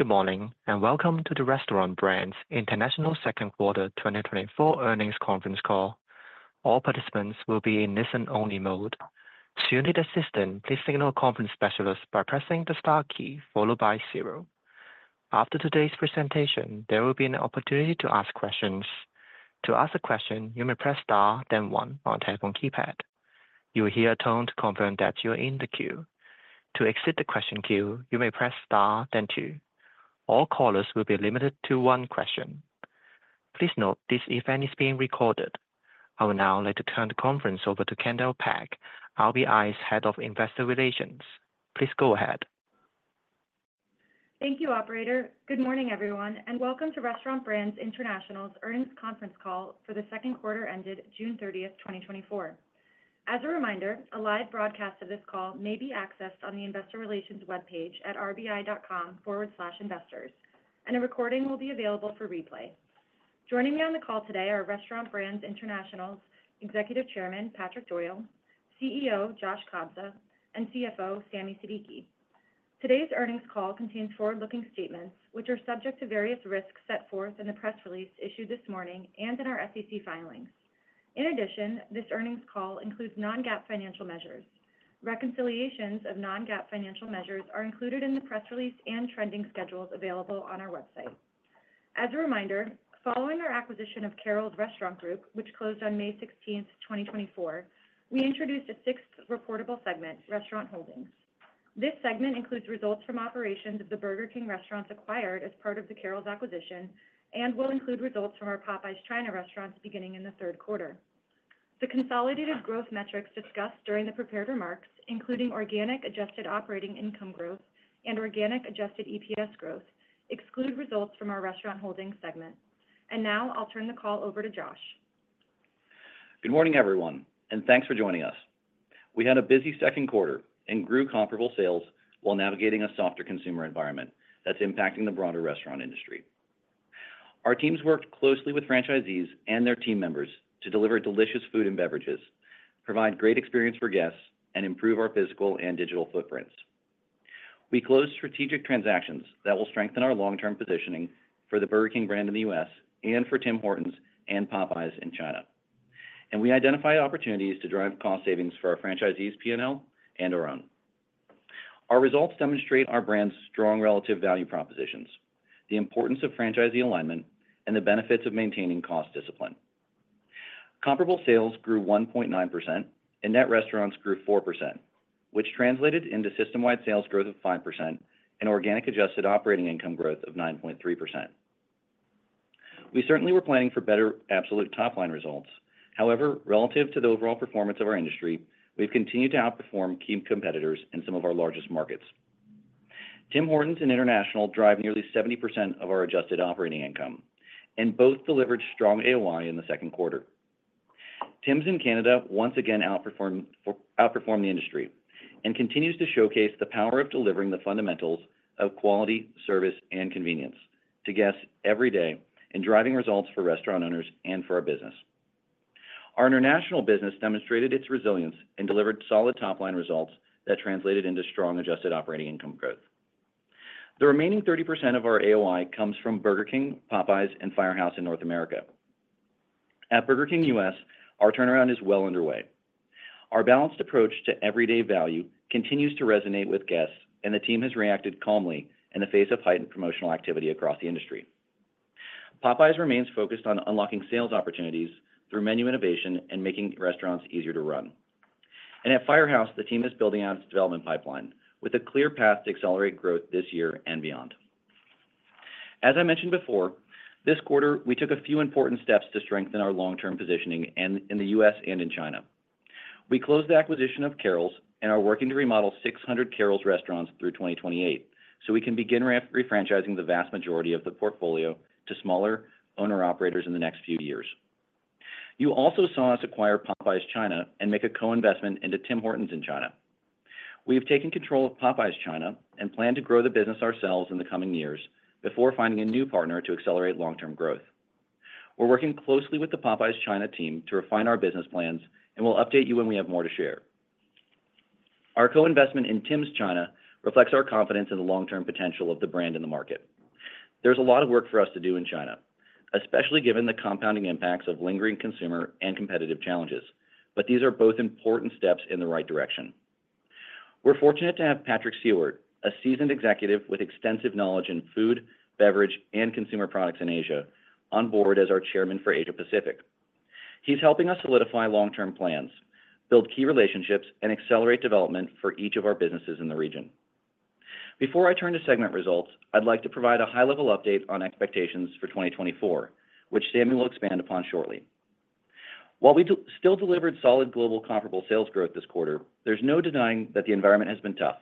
Good morning, and welcome to the Restaurant Brands International Second Quarter 2024 Earnings Conference Call. All participants will be in listen-only mode. To unmute a system, please signal a conference specialist by pressing the star key followed by zero. After today's presentation, there will be an opportunity to ask questions. To ask a question, you may press star, then one, on a telephone keypad. You will hear a tone to confirm that you are in the queue. To exit the question queue, you may press star, then two. All callers will be limited to one question. Please note this event is being recorded. I would now like to turn the conference over to Kendall Peck, RBI's Head of Investor Relations. Please go ahead. Thank you, Operator. Good morning, everyone, and welcome to Restaurant Brands International's Earnings Conference Call for the second quarter ended June 30, 2024. As a reminder, a live broadcast of this call may be accessed on the Investor Relations webpage at rbi.com/investors, and a recording will be available for replay. Joining me on the call today are Restaurant Brands International's Executive Chairman, Patrick Doyle, CEO, Josh Kobza, and CFO, Sami Siddiqui. Today's earnings call contains forward-looking statements, which are subject to various risks set forth in the press release issued this morning and in our SEC filings. In addition, this earnings call includes non-GAAP financial measures. Reconciliations of non-GAAP financial measures are included in the press release and trending schedules available on our website. As a reminder, following our acquisition of Carrols Restaurant Group, which closed on May 16, 2024, we introduced a sixth reportable segment, Restaurant Holdings. This segment includes results from operations of the Burger King restaurants acquired as part of the Carrols acquisition and will include results from our Popeyes China restaurants beginning in the third quarter. The consolidated growth metrics discussed during the prepared remarks, including organic adjusted operating income growth and organic adjusted EPS growth, exclude results from our Restaurant Holdings segment. Now I'll turn the call over to Josh. Good morning, everyone, and thanks for joining us. We had a busy second quarter and grew comparable sales while navigating a softer consumer environment that's impacting the broader restaurant industry. Our teams worked closely with franchisees and their team members to deliver delicious food and beverages, provide great experience for guests, and improve our physical and digital footprints. We closed strategic transactions that will strengthen our long-term positioning for the Burger King brand in the U.S. and for Tim Hortons and Popeyes in China, and we identified opportunities to drive cost savings for our franchisees' P&L and our own. Our results demonstrate our brand's strong relative value propositions, the importance of franchisee alignment, and the benefits of maintaining cost discipline. Comparable sales grew 1.9%, and net restaurants grew 4%, which translated into system-wide sales growth of 5% and organic adjusted operating income growth of 9.3%. We certainly were planning for better absolute top-line results. However, relative to the overall performance of our industry, we've continued to outperform key competitors in some of our largest markets. Tim Hortons and International drive nearly 70% of our adjusted operating income, and both delivered strong AOI in the second quarter. Tim's in Canada once again outperformed the industry and continues to showcase the power of delivering the fundamentals of quality, service, and convenience to guests every day and driving results for restaurant owners and for our business. Our international business demonstrated its resilience and delivered solid top-line results that translated into strong adjusted operating income growth. The remaining 30% of our AOI comes from Burger King, Popeyes, and Firehouse in North America. At Burger King U.S., our turnaround is well underway. Our balanced approach to everyday value continues to resonate with guests, and the team has reacted calmly in the face of heightened promotional activity across the industry. Popeyes remains focused on unlocking sales opportunities through menu innovation and making restaurants easier to run. At Firehouse, the team is building out its development pipeline with a clear path to accelerate growth this year and beyond. As I mentioned before, this quarter, we took a few important steps to strengthen our long-term positioning in the U.S. and in China. We closed the acquisition of Carrols and are working to remodel 600 Carrols restaurants through 2028 so we can begin refranchising the vast majority of the portfolio to smaller owner-operators in the next few years. You also saw us acquire Popeyes China and make a co-investment into Tim Hortons in China. We have taken control of Popeyes China and plan to grow the business ourselves in the coming years before finding a new partner to accelerate long-term growth. We're working closely with the Popeyes China team to refine our business plans, and we'll update you when we have more to share. Our co-investment in Tims China reflects our confidence in the long-term potential of the brand in the market. There's a lot of work for us to do in China, especially given the compounding impacts of lingering consumer and competitive challenges, but these are both important steps in the right direction. We're fortunate to have Patrick Siewert, a seasoned executive with extensive knowledge in food, beverage, and consumer products in Asia, on board as our chairman for Asia-Pacific. He's helping us solidify long-term plans, build key relationships, and accelerate development for each of our businesses in the region. Before I turn to segment results, I'd like to provide a high-level update on expectations for 2024, which Sami will expand upon shortly. While we still delivered solid global comparable sales growth this quarter, there's no denying that the environment has been tough.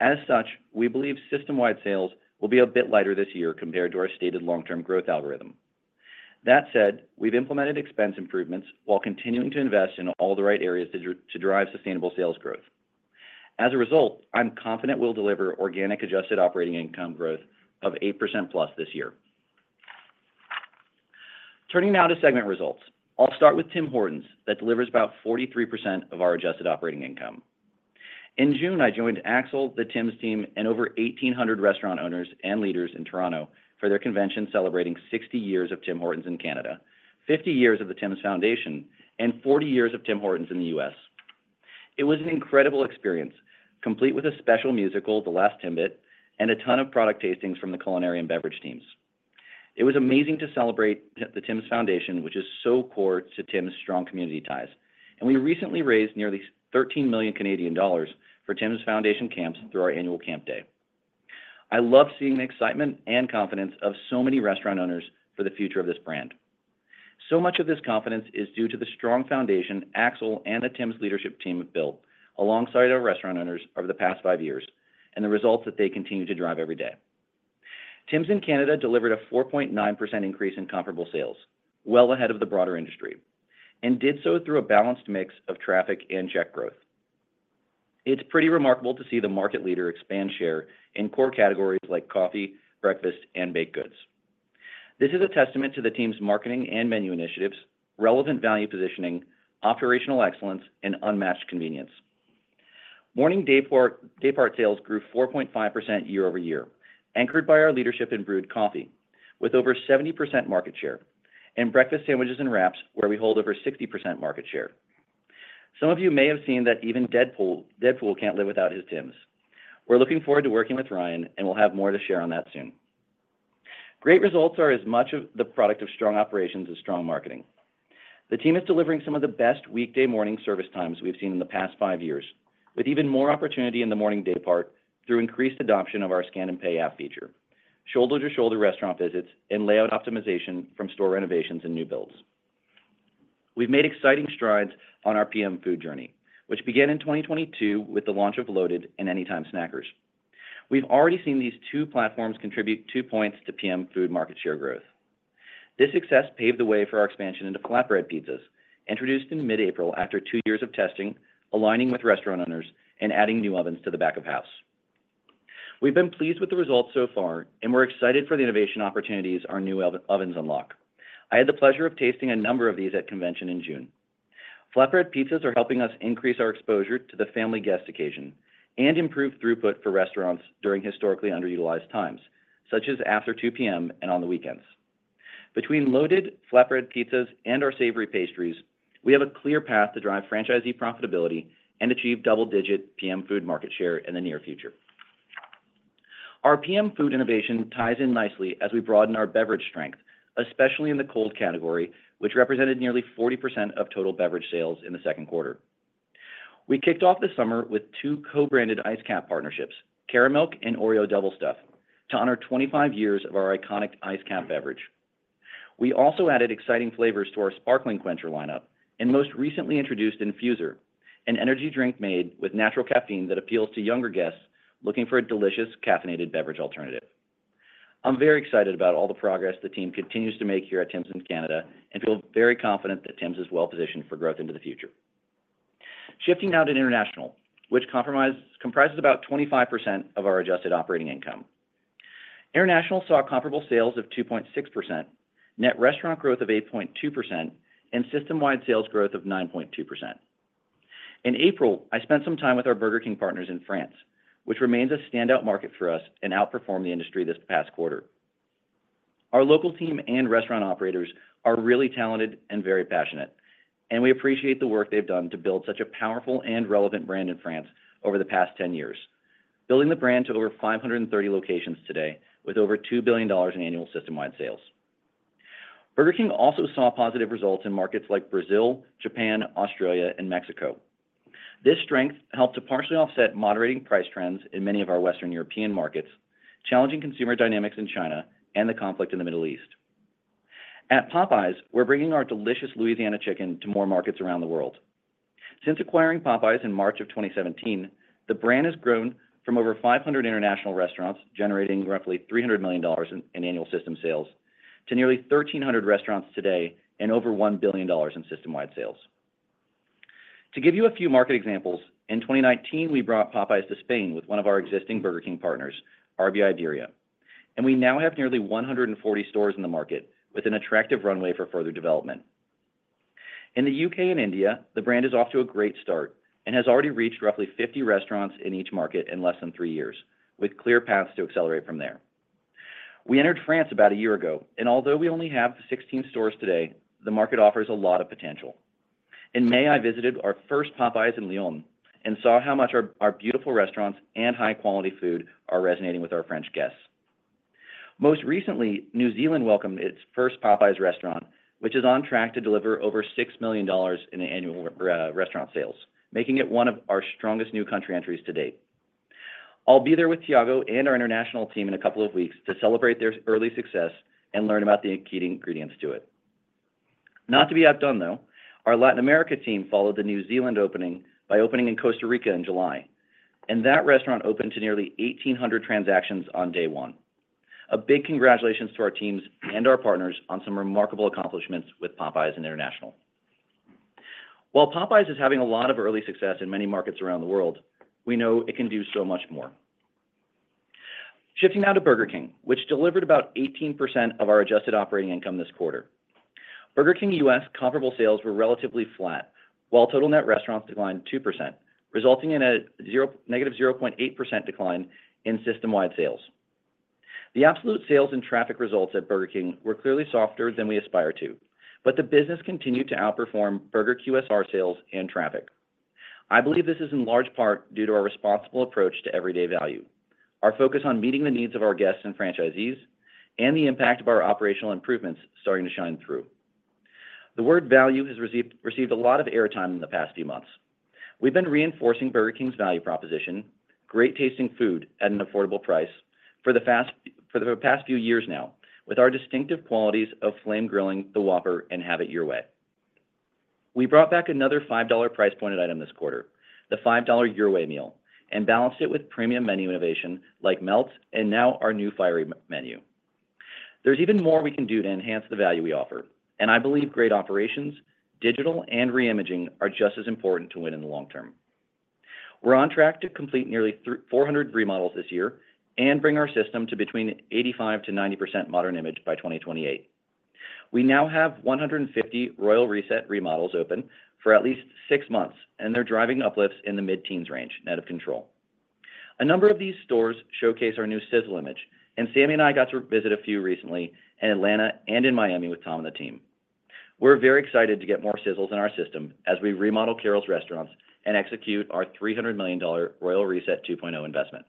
As such, we believe system-wide sales will be a bit lighter this year compared to our stated long-term growth algorithm. That said, we've implemented expense improvements while continuing to invest in all the right areas to drive sustainable sales growth. As a result, I'm confident we'll deliver organic adjusted operating income growth of 8%+ this year. Turning now to segment results, I'll start with Tim Hortons that delivers about 43% of our adjusted operating income. In June, I joined Axel, the Tim's team, and over 1,800 restaurant owners and leaders in Toronto for their convention celebrating 60 years of Tim Hortons in Canada, 50 years of the Tim's Foundation, and 40 years of Tim Hortons in the U.S. It was an incredible experience, complete with a special musical, The Last Timbit, and a ton of product tastings from the culinary and beverage teams. It was amazing to celebrate the Tim's Foundation, which is so core to Tim's strong community ties, and we recently raised nearly 13 million Canadian dollars for Tim's Foundation camps through our annual camp day. I love seeing the excitement and confidence of so many restaurant owners for the future of this brand. So much of this confidence is due to the strong foundation Axel and the Tim's leadership team have built alongside our restaurant owners over the past five years and the results that they continue to drive every day. Tim's in Canada delivered a 4.9% increase in comparable sales, well ahead of the broader industry, and did so through a balanced mix of traffic and check growth. It's pretty remarkable to see the market leader expand share in core categories like coffee, breakfast, and baked goods. This is a testament to the team's marketing and menu initiatives, relevant value positioning, operational excellence, and unmatched convenience. Morning daypart sales grew 4.5% year-over-year, anchored by our leadership in brewed coffee, with over 70% market share, and breakfast sandwiches and wraps, where we hold over 60% market share. Some of you may have seen that even Deadpool can't live without his Tim's. We're looking forward to working with Ryan, and we'll have more to share on that soon. Great results are as much of the product of strong operations as strong marketing. The team is delivering some of the best weekday morning service times we've seen in the past five years, with even more opportunity in the morning daypart through increased adoption of our Scan and Pay app feature, shoulder-to-shoulder restaurant visits, and layout optimization from store renovations and new builds. We've made exciting strides on our PM food journey, which began in 2022 with the launch of Loaded and Anytime Snackers. We've already seen these two platforms contribute two points to PM food market share growth. This success paved the way for our expansion into flatbread pizzas, introduced in mid-April after two years of testing, aligning with restaurant owners and adding new ovens to the back of house. We've been pleased with the results so far, and we're excited for the innovation opportunities our new ovens unlock. I had the pleasure of tasting a number of these at convention in June. Flatbread Pizzas are helping us increase our exposure to the family guest occasion and improve throughput for restaurants during historically underutilized times, such as after two p.m. and on the weekends. Between Loaded, Flatbread Pizzas, and our savory pastries, we have a clear path to drive franchisee profitability and achieve double-digit PM food market share in the near future. Our PM food innovation ties in nicely as we broaden our beverage strength, especially in the cold category, which represented nearly 40% of total beverage sales in the second quarter. We kicked off this summer with two co-branded Iced Capp partnerships, Caramilk and OREO Double Stuf, to honor 25 years of our iconic Iced Capp beverage. We also added exciting flavors to our Sparkling Quencher lineup and most recently introduced Infuser, an energy drink made with natural caffeine that appeals to younger guests looking for a delicious caffeinated beverage alternative. I'm very excited about all the progress the team continues to make here at Tim's in Canada and feel very confident that Tim's is well-positioned for growth into the future. Shifting now to International, which comprises about 25% of our Adjusted Operating Income. International saw comparable sales of 2.6%, Net Restaurant Growth of 8.2%, and System-wide Sales growth of 9.2%. In April, I spent some time with our Burger King partners in France, which remains a standout market for us and outperformed the industry this past quarter. Our local team and restaurant operators are really talented and very passionate, and we appreciate the work they've done to build such a powerful and relevant brand in France over the past 10 years, building the brand to over 530 locations today with over $2 billion in annual system-wide sales. Burger King also saw positive results in markets like Brazil, Japan, Australia, and Mexico. This strength helped to partially offset moderating price trends in many of our Western European markets, challenging consumer dynamics in China and the conflict in the Middle East. At Popeyes, we're bringing our delicious Louisiana chicken to more markets around the world. Since acquiring Popeyes in March of 2017, the brand has grown from over 500 international restaurants generating roughly $300 million in annual system sales to nearly 1,300 restaurants today and over $1 billion in system-wide sales. To give you a few market examples, in 2019, we brought Popeyes to Spain with one of our existing Burger King partners, RB Iberia, and we now have nearly 140 stores in the market with an attractive runway for further development. In the U.K. and India, the brand is off to a great start and has already reached roughly 50 restaurants in each market in less than three years, with clear paths to accelerate from there. We entered France about a year ago, and although we only have 16 stores today, the market offers a lot of potential. In May, I visited our first Popeyes in Lyon and saw how much our beautiful restaurants and high-quality food are resonating with our French guests. Most recently, New Zealand welcomed its first Popeyes restaurant, which is on track to deliver over $6 million in annual restaurant sales, making it one of our strongest new country entries to date. I'll be there with Thiago and our international team in a couple of weeks to celebrate their early success and learn about the key ingredients to it. Not to be outdone, though, our Latin America team followed the New Zealand opening by opening in Costa Rica in July, and that restaurant opened to nearly 1,800 transactions on day one. A big congratulations to our teams and our partners on some remarkable accomplishments with Popeyes International. While Popeyes is having a lot of early success in many markets around the world, we know it can do so much more. Shifting now to Burger King, which delivered about 18% of our Adjusted Operating Income this quarter. Burger King U.S. Comparable sales were relatively flat, while total net restaurants declined 2%, resulting in a -0.8% decline in system-wide sales. The absolute sales and traffic results at Burger King were clearly softer than we aspire to, but the business continued to outperform Burger QSR sales and traffic. I believe this is in large part due to our responsible approach to everyday value, our focus on meeting the needs of our guests and franchisees, and the impact of our operational improvements starting to shine through. The word value has received a lot of airtime in the past few months. We've been reinforcing Burger King's value proposition, great tasting food at an affordable price for the past few years now, with our distinctive qualities of flame grilling, the Whopper, and Have It Your Way. We brought back another $5 price-pointed item this quarter, the $5 Your Way Meal, and balanced it with premium menu innovation like Melts and now our new Fiery Menu. There's even more we can do to enhance the value we offer, and I believe great operations, digital, and reimaging are just as important to win in the long term. We're on track to complete nearly 400 remodels this year and bring our system to between 85%-90% modern image by 2028. We now have 150 Royal Reset remodels open for at least six months, and they're driving uplifts in the mid-teens range net of control. A number of these stores showcase our new Sizzle image, and Sami and I got to visit a few recently in Atlanta and in Miami with Tom and the team. We're very excited to get more Sizzles in our system as we remodel Carrols' restaurants and execute our $300 million Royal Reset 2.0 investment.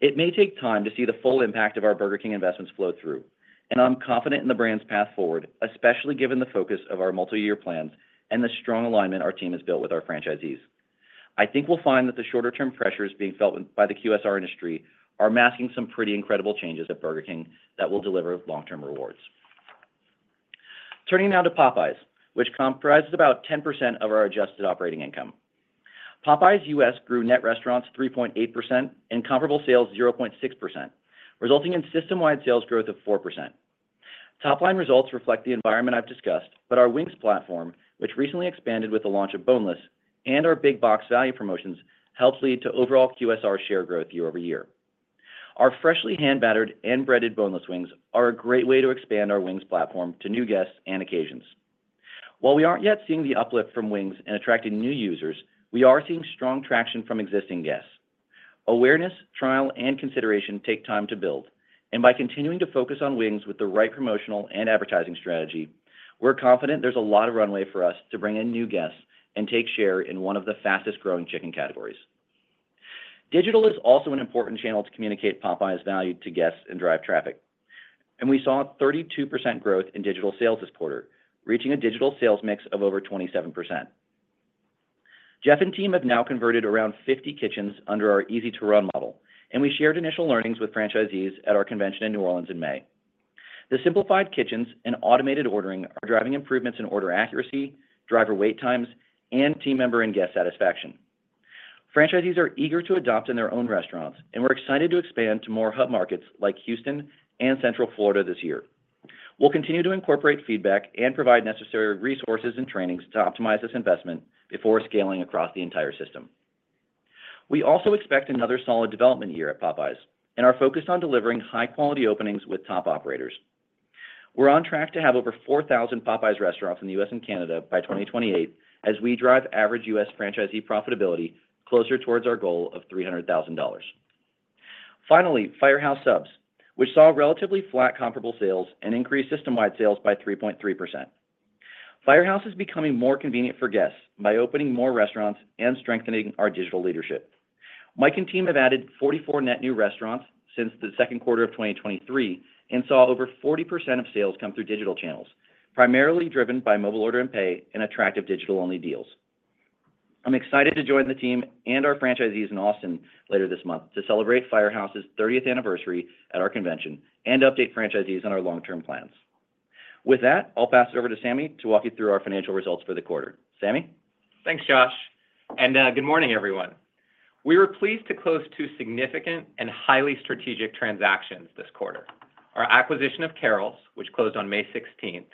It may take time to see the full impact of our Burger King investments flow through, and I'm confident in the brand's path forward, especially given the focus of our multi-year plan and the strong alignment our team has built with our franchisees. I think we'll find that the shorter-term pressures being felt by the QSR industry are masking some pretty incredible changes at Burger King that will deliver long-term rewards. Turning now to Popeyes, which comprises about 10% of our Adjusted Operating Income. Popeyes U.S. grew net restaurants 3.8% and comparable sales 0.6%, resulting in system-wide sales growth of 4%. Top-line results reflect the environment I've discussed, but our Wings platform, which recently expanded with the launch of Boneless and our Big Box value promotions, helps lead to overall QSR share growth year-over-year. Our freshly hand-battered and breaded Boneless wings are a great way to expand our Wings platform to new guests and occasions. While we aren't yet seeing the uplift from Wings and attracting new users, we are seeing strong traction from existing guests. Awareness, trial, and consideration take time to build, and by continuing to focus on Wings with the right promotional and advertising strategy, we're confident there's a lot of runway for us to bring in new guests and take share in one of the fastest-growing chicken categories. Digital is also an important channel to communicate Popeyes' value to guests and drive traffic, and we saw 32% growth in digital sales this quarter, reaching a digital sales mix of over 27%. Jeff and team have now converted around 50 kitchens under our Easy-to-Run model, and we shared initial learnings with franchisees at our convention in New Orleans in May. The simplified kitchens and automated ordering are driving improvements in order accuracy, driver wait times, and team member and guest satisfaction. Franchisees are eager to adopt in their own restaurants, and we're excited to expand to more hub markets like Houston and Central Florida this year. We'll continue to incorporate feedback and provide necessary resources and trainings to optimize this investment before scaling across the entire system. We also expect another solid development year at Popeyes and are focused on delivering high-quality openings with top operators. We're on track to have over 4,000 Popeyes restaurants in the U.S. and Canada by 2028 as we drive average U.S. franchisee profitability closer toward our goal of $300,000. Finally, Firehouse Subs, which saw relatively flat comparable sales and increased system-wide sales by 3.3%. Firehouse is becoming more convenient for guests by opening more restaurants and strengthening our digital leadership. Mike and team have added 44 net new restaurants since the second quarter of 2023 and saw over 40% of sales come through digital channels, primarily driven by mobile order and pay and attractive digital-only deals. I'm excited to join the team and our franchisees in Austin later this month to celebrate Firehouse's 30th anniversary at our convention and update franchisees on our long-term plans. With that, I'll pass it over to Sami to walk you through our financial results for the quarter. Sami? Thanks, Josh. And good morning, everyone. We were pleased to close two significant and highly strategic transactions this quarter: our acquisition of Carrols, which closed on May 16th,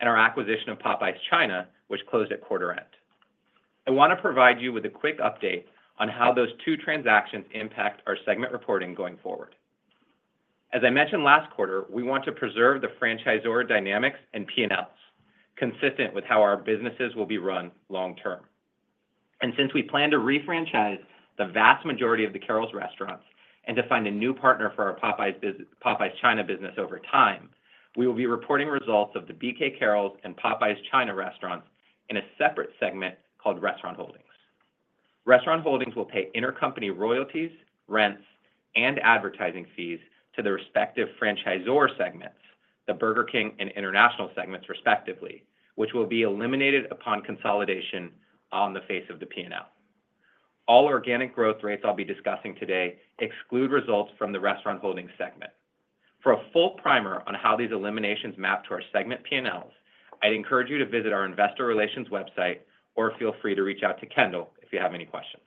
and our acquisition of Popeyes China, which closed at quarter end. I want to provide you with a quick update on how those two transactions impact our segment reporting going forward. As I mentioned last quarter, we want to preserve the franchisor dynamics and P&Ls, consistent with how our businesses will be run long-term. And since we plan to refranchise the vast majority of the Carrols restaurants and to find a new partner for our Popeyes China business over time, we will be reporting results of the BK Carrols and Popeyes China restaurants in a separate segment called Restaurant Holdings. Restaurant Holdings will pay intercompany royalties, rents, and advertising fees to the respective franchisor segments, the Burger King and International segments, respectively, which will be eliminated upon consolidation on the face of the P&L. All organic growth rates I'll be discussing today exclude results from the Restaurant Holdings segment. For a full primer on how these eliminations map to our segment P&Ls, I'd encourage you to visit our investor relations website or feel free to reach out to Kendall if you have any questions.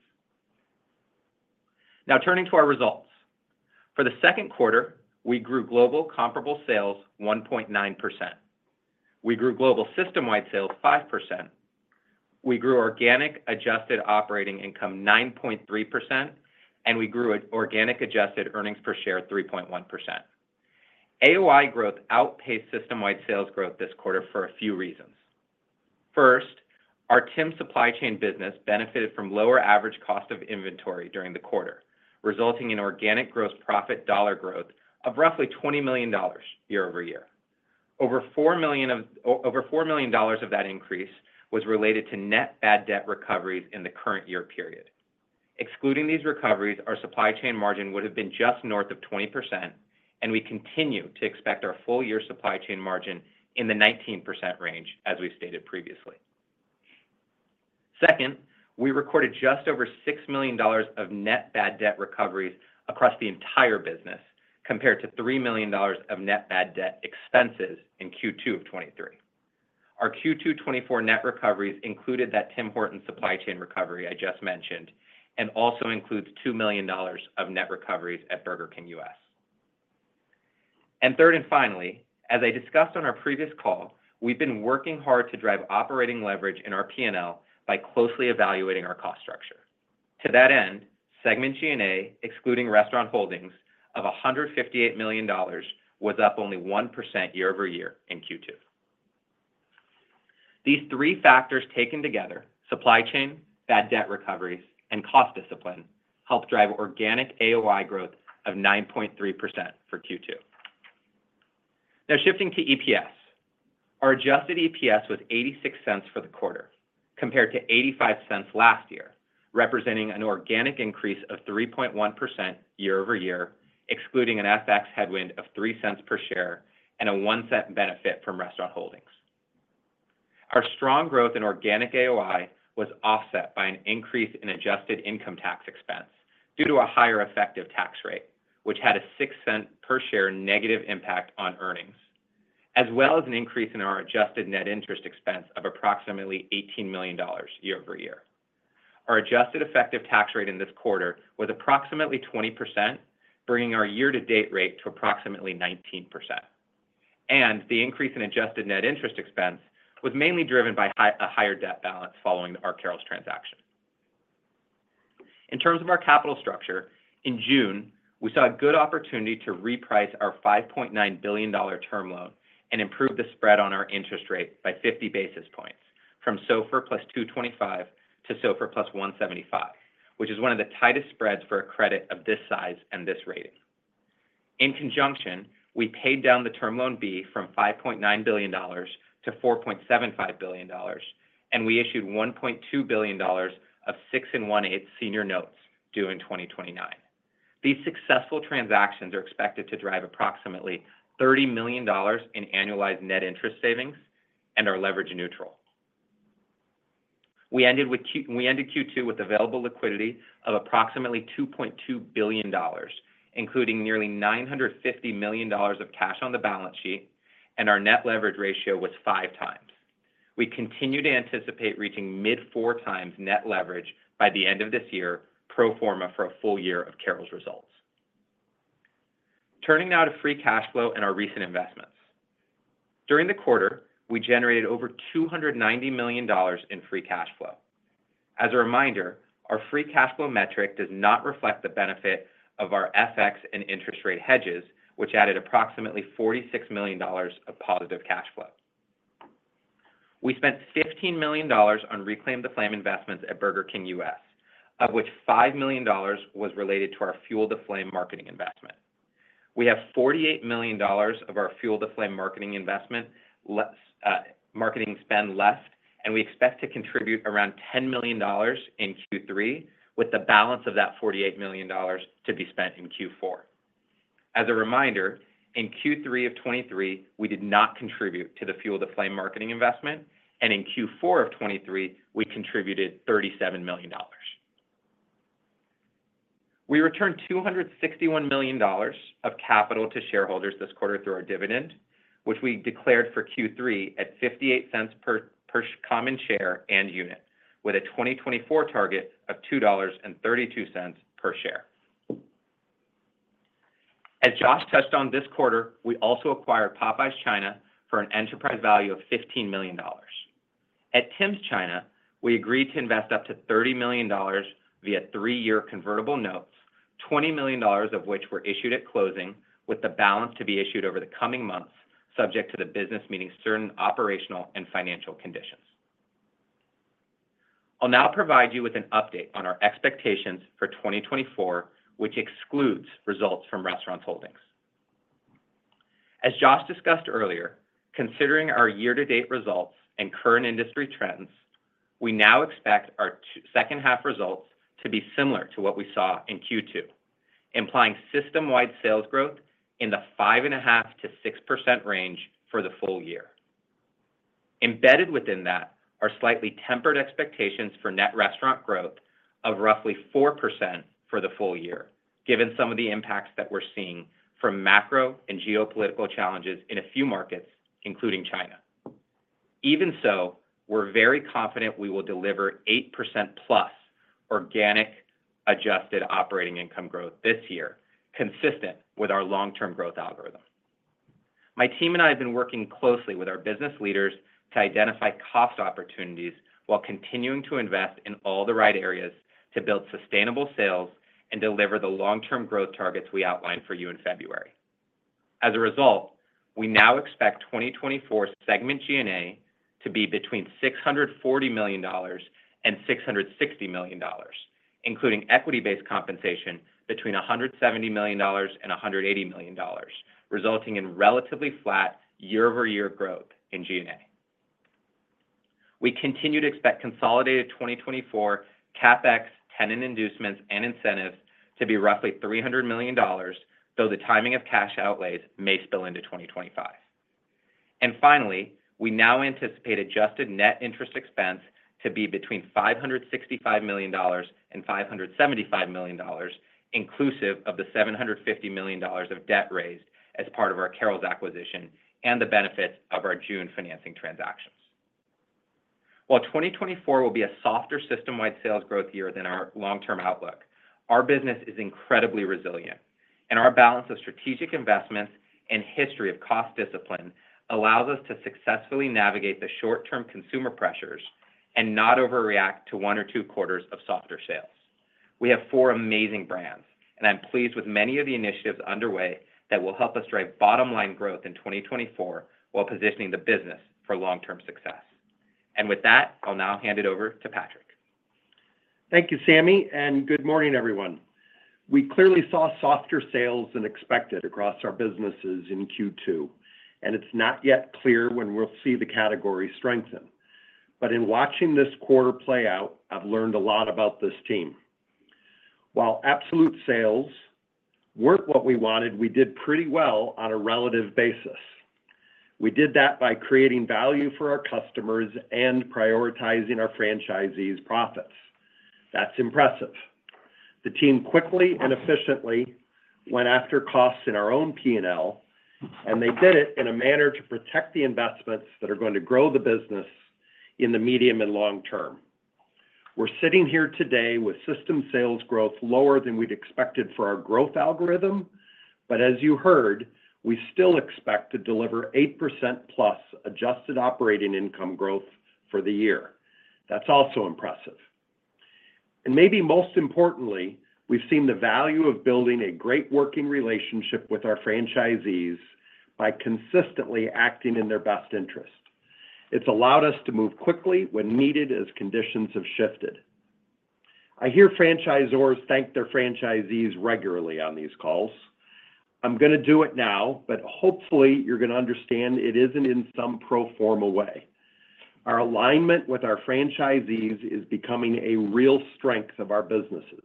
Now, turning to our results. For the second quarter, we grew global comparable sales 1.9%. We grew global system-wide sales 5%. We grew organic adjusted operating income 9.3%, and we grew organic adjusted earnings per share 3.1%. AOI growth outpaced system-wide sales growth this quarter for a few reasons. First, our Tim's supply chain business benefited from lower average cost of inventory during the quarter, resulting in organic gross profit dollar growth of roughly $20 million year-over-year. Over $4 million of that increase was related to net bad debt recoveries in the current year period. Excluding these recoveries, our supply chain margin would have been just north of 20%, and we continue to expect our full year supply chain margin in the 19% range, as we stated previously. Second, we recorded just over $6 million of net bad debt recoveries across the entire business, compared to $3 million of net bad debt expenses in Q2 of 2023. Our Q2 2024 net recoveries included that Tim Hortons supply chain recovery I just mentioned and also includes $2 million of net recoveries at Burger King U.S. Third and finally, as I discussed on our previous call, we've been working hard to drive operating leverage in our P&L by closely evaluating our cost structure. To that end, segment G&A, excluding Restaurant Holdings, of $158 million was up only 1% year-over-year in Q2. These three factors taken together, supply chain, bad debt recoveries, and cost discipline, helped drive organic AOI growth of 9.3% for Q2. Now, shifting to EPS. Our adjusted EPS was $0.86 for the quarter, compared to $0.85 last year, representing an organic increase of 3.1% year-over-year, excluding an FX headwind of $0.03 per share and a $0.01 benefit from Restaurant Holdings. Our strong growth in organic AOI was offset by an increase in adjusted income tax expense due to a higher effective tax rate, which had a $0.06 per share negative impact on earnings, as well as an increase in our adjusted net interest expense of approximately $18 million year over year. Our adjusted effective tax rate in this quarter was approximately 20%, bringing our year-to-date rate to approximately 19%. The increase in adjusted net interest expense was mainly driven by a higher debt balance following our Carrols transaction. In terms of our capital structure, in June, we saw a good opportunity to reprice our $5.9 billion term loan and improve the spread on our interest rate by 50 basis points from SOFR plus 225 to SOFR plus 175, which is one of the tightest spreads for a credit of this size and this rating. In conjunction, we paid down the Term Loan B from $5.9 billion to $4.75 billion, and we issued $1.2 billion of 6.125 senior notes due in 2029. These successful transactions are expected to drive approximately $30 million in annualized net interest savings and are leverage neutral. We ended Q2 with available liquidity of approximately $2.2 billion, including nearly $950 million of cash on the balance sheet, and our net leverage ratio was 5x. We continue to anticipate reaching mid-4x net leverage by the end of this year, pro forma for a full year of Carrols results. Turning now to free cash flow and our recent investments. During the quarter, we generated over $290 million in free cash flow. As a reminder, our free cash flow metric does not reflect the benefit of our FX and interest rate hedges, which added approximately $46 million of positive cash flow. We spent $15 million on Reclaim the Flame investments at Burger King U.S., of which $5 million was related to our Fuel the Flame marketing investment. We have $48 million of our Fuel the Flame marketing investment marketing spend left, and we expect to contribute around $10 million in Q3, with the balance of that $48 million to be spent in Q4. As a reminder, in Q3 of 2023, we did not contribute to the Fuel the Flame marketing investment, and in Q4 of 2023, we contributed $37 million. We returned $261 million of capital to shareholders this quarter through our dividend, which we declared for Q3 at $0.58 per common share and unit, with a 2024 target of $2.32 per share. As Josh touched on this quarter, we also acquired Popeyes China for an enterprise value of $15 million. At Tims China, we agreed to invest up to $30 million via three-year convertible notes, $20 million of which were issued at closing, with the balance to be issued over the coming months, subject to the business meeting certain operational and financial conditions. I'll now provide you with an update on our expectations for 2024, which excludes results from Restaurant Holdings. As Josh discussed earlier, considering our year-to-date results and current industry trends, we now expect our second-half results to be similar to what we saw in Q2, implying system-wide sales growth in the 5.5%-6% range for the full year. Embedded within that are slightly tempered expectations for net restaurant growth of roughly 4% for the full year, given some of the impacts that we're seeing from macro and geopolitical challenges in a few markets, including China. Even so, we're very confident we will deliver 8%+ organic adjusted operating income growth this year, consistent with our long-term growth algorithm. My team and I have been working closely with our business leaders to identify cost opportunities while continuing to invest in all the right areas to build sustainable sales and deliver the long-term growth targets we outlined for you in February. As a result, we now expect 2024's segment G&A to be between $640 million-$660 million, including equity-based compensation between $170 million-$180 million, resulting in relatively flat year-over-year growth in G&A. We continue to expect consolidated 2024 CapEx, tenant inducements, and incentives to be roughly $300 million, though the timing of cash outlays may spill into 2025. Finally, we now anticipate adjusted net interest expense to be between $565 million-$575 million, inclusive of the $750 million of debt raised as part of our Carrols acquisition and the benefits of our June financing transactions. While 2024 will be a softer system-wide sales growth year than our long-term outlook, our business is incredibly resilient, and our balance of strategic investments and history of cost discipline allows us to successfully navigate the short-term consumer pressures and not overreact to one or two quarters of softer sales. We have four amazing brands, and I'm pleased with many of the initiatives underway that will help us drive bottom-line growth in 2024 while positioning the business for long-term success. With that, I'll now hand it over to Patrick. Thank you, Sami, and good morning, everyone. We clearly saw softer sales than expected across our businesses in Q2, and it's not yet clear when we'll see the category strengthen. In watching this quarter play out, I've learned a lot about this team. While absolute sales weren't what we wanted, we did pretty well on a relative basis. We did that by creating value for our customers and prioritizing our franchisees' profits. That's impressive. The team quickly and efficiently went after costs in our own P&L, and they did it in a manner to protect the investments that are going to grow the business in the medium and long term. We're sitting here today with system sales growth lower than we'd expected for our growth algorithm, but as you heard, we still expect to deliver 8%plus adjusted operating income growth for the year. That's also impressive. Maybe most importantly, we've seen the value of building a great working relationship with our franchisees by consistently acting in their best interest. It's allowed us to move quickly when needed as conditions have shifted. I hear franchisors thank their franchisees regularly on these calls. I'm going to do it now, but hopefully you're going to understand it isn't in some pro forma way. Our alignment with our franchisees is becoming a real strength of our businesses.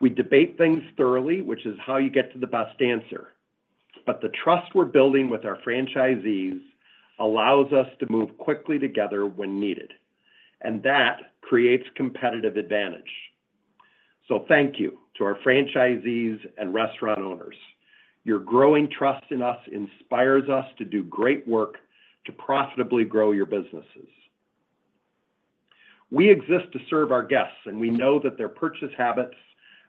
We debate things thoroughly, which is how you get to the best answer. But the trust we're building with our franchisees allows us to move quickly together when needed, and that creates competitive advantage. So thank you to our franchisees and restaurant owners. Your growing trust in us inspires us to do great work to profitably grow your businesses. We exist to serve our guests, and we know that their purchase habits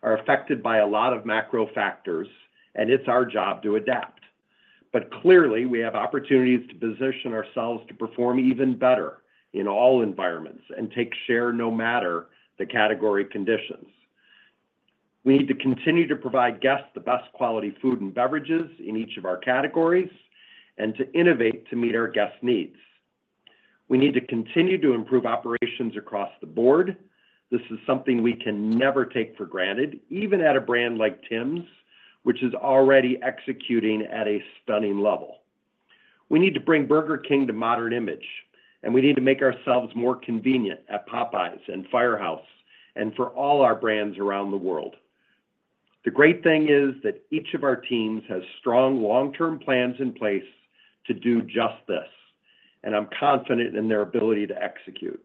are affected by a lot of macro factors, and it's our job to adapt. But clearly, we have opportunities to position ourselves to perform even better in all environments and take share no matter the category conditions. We need to continue to provide guests the best quality food and beverages in each of our categories and to innovate to meet our guests' needs. We need to continue to improve operations across the board. This is something we can never take for granted, even at a brand like Tim's, which is already executing at a stunning level. We need to bring Burger King to modern image, and we need to make ourselves more convenient at Popeyes and Firehouse and for all our brands around the world. The great thing is that each of our teams has strong long-term plans in place to do just this, and I'm confident in their ability to execute.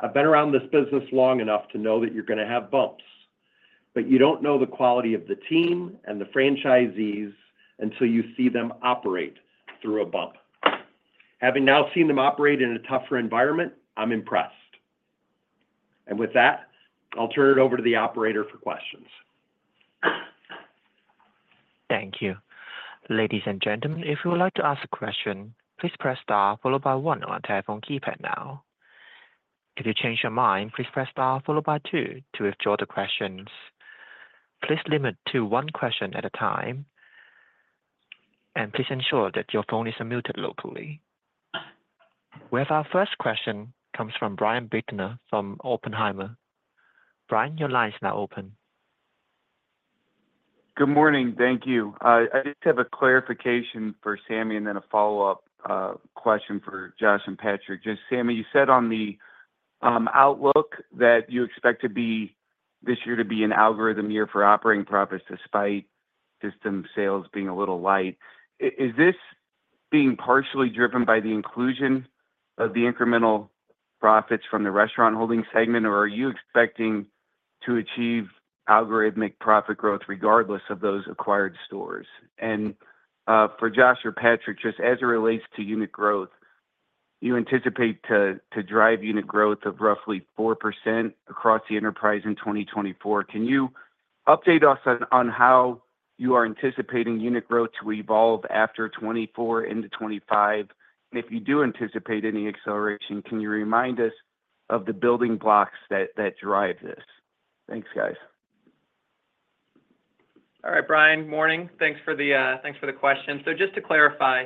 I've been around this business long enough to know that you're going to have bumps, but you don't know the quality of the team and the franchisees until you see them operate through a bump. Having now seen them operate in a tougher environment, I'm impressed. And with that, I'll turn it over to the operator for questions. Thank you. Ladies and gentlemen, if you would like to ask a question, please press star followed by one on a telephone keypad now. If you change your mind, please press star followed by two to withdraw the questions. Please limit to one question at a time, and please ensure that your phone is unmuted locally. We have our first question comes from Brian Bittner from Oppenheimer. Brian, your line's now open. Good morning. Thank you. I just have a clarification for Sami and then a follow-up question for Josh and Patrick. Just Sami, you said on the outlook that you expect this year to be an algorithmic year for operating profits despite system sales being a little light. Is this being partially driven by the inclusion of the incremental profits from the Restaurant Holdings segment, or are you expecting to achieve algorithmic profit growth regardless of those acquired stores? For Josh or Patrick, just as it relates to unit growth, you anticipate to drive unit growth of roughly 4% across the enterprise in 2024. Can you update us on how you are anticipating unit growth to evolve after 2024 into 2025? And if you do anticipate any acceleration, can you remind us of the building blocks that drive this? Thanks, guys. All right, Brian, morning. Thanks for the question. So just to clarify,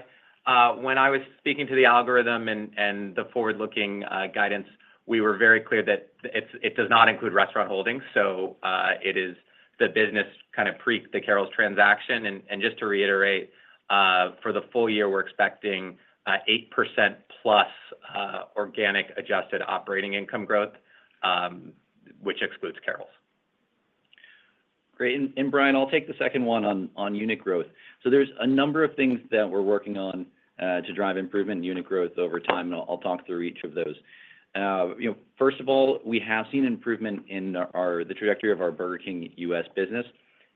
when I was speaking to the algorithm and the forward-looking guidance, we were very clear that it does not include Restaurant Holdings. So it is the business kind of pre-Carrols transaction. And just to reiterate, for the full year, we're expecting 8%+ organic adjusted operating income growth, which excludes Carrols. Great. Brian, I'll take the second one on unit growth. So there's a number of things that we're working on to drive improvement in unit growth over time, and I'll talk through each of those. First of all, we have seen improvement in the trajectory of our Burger King U.S. business,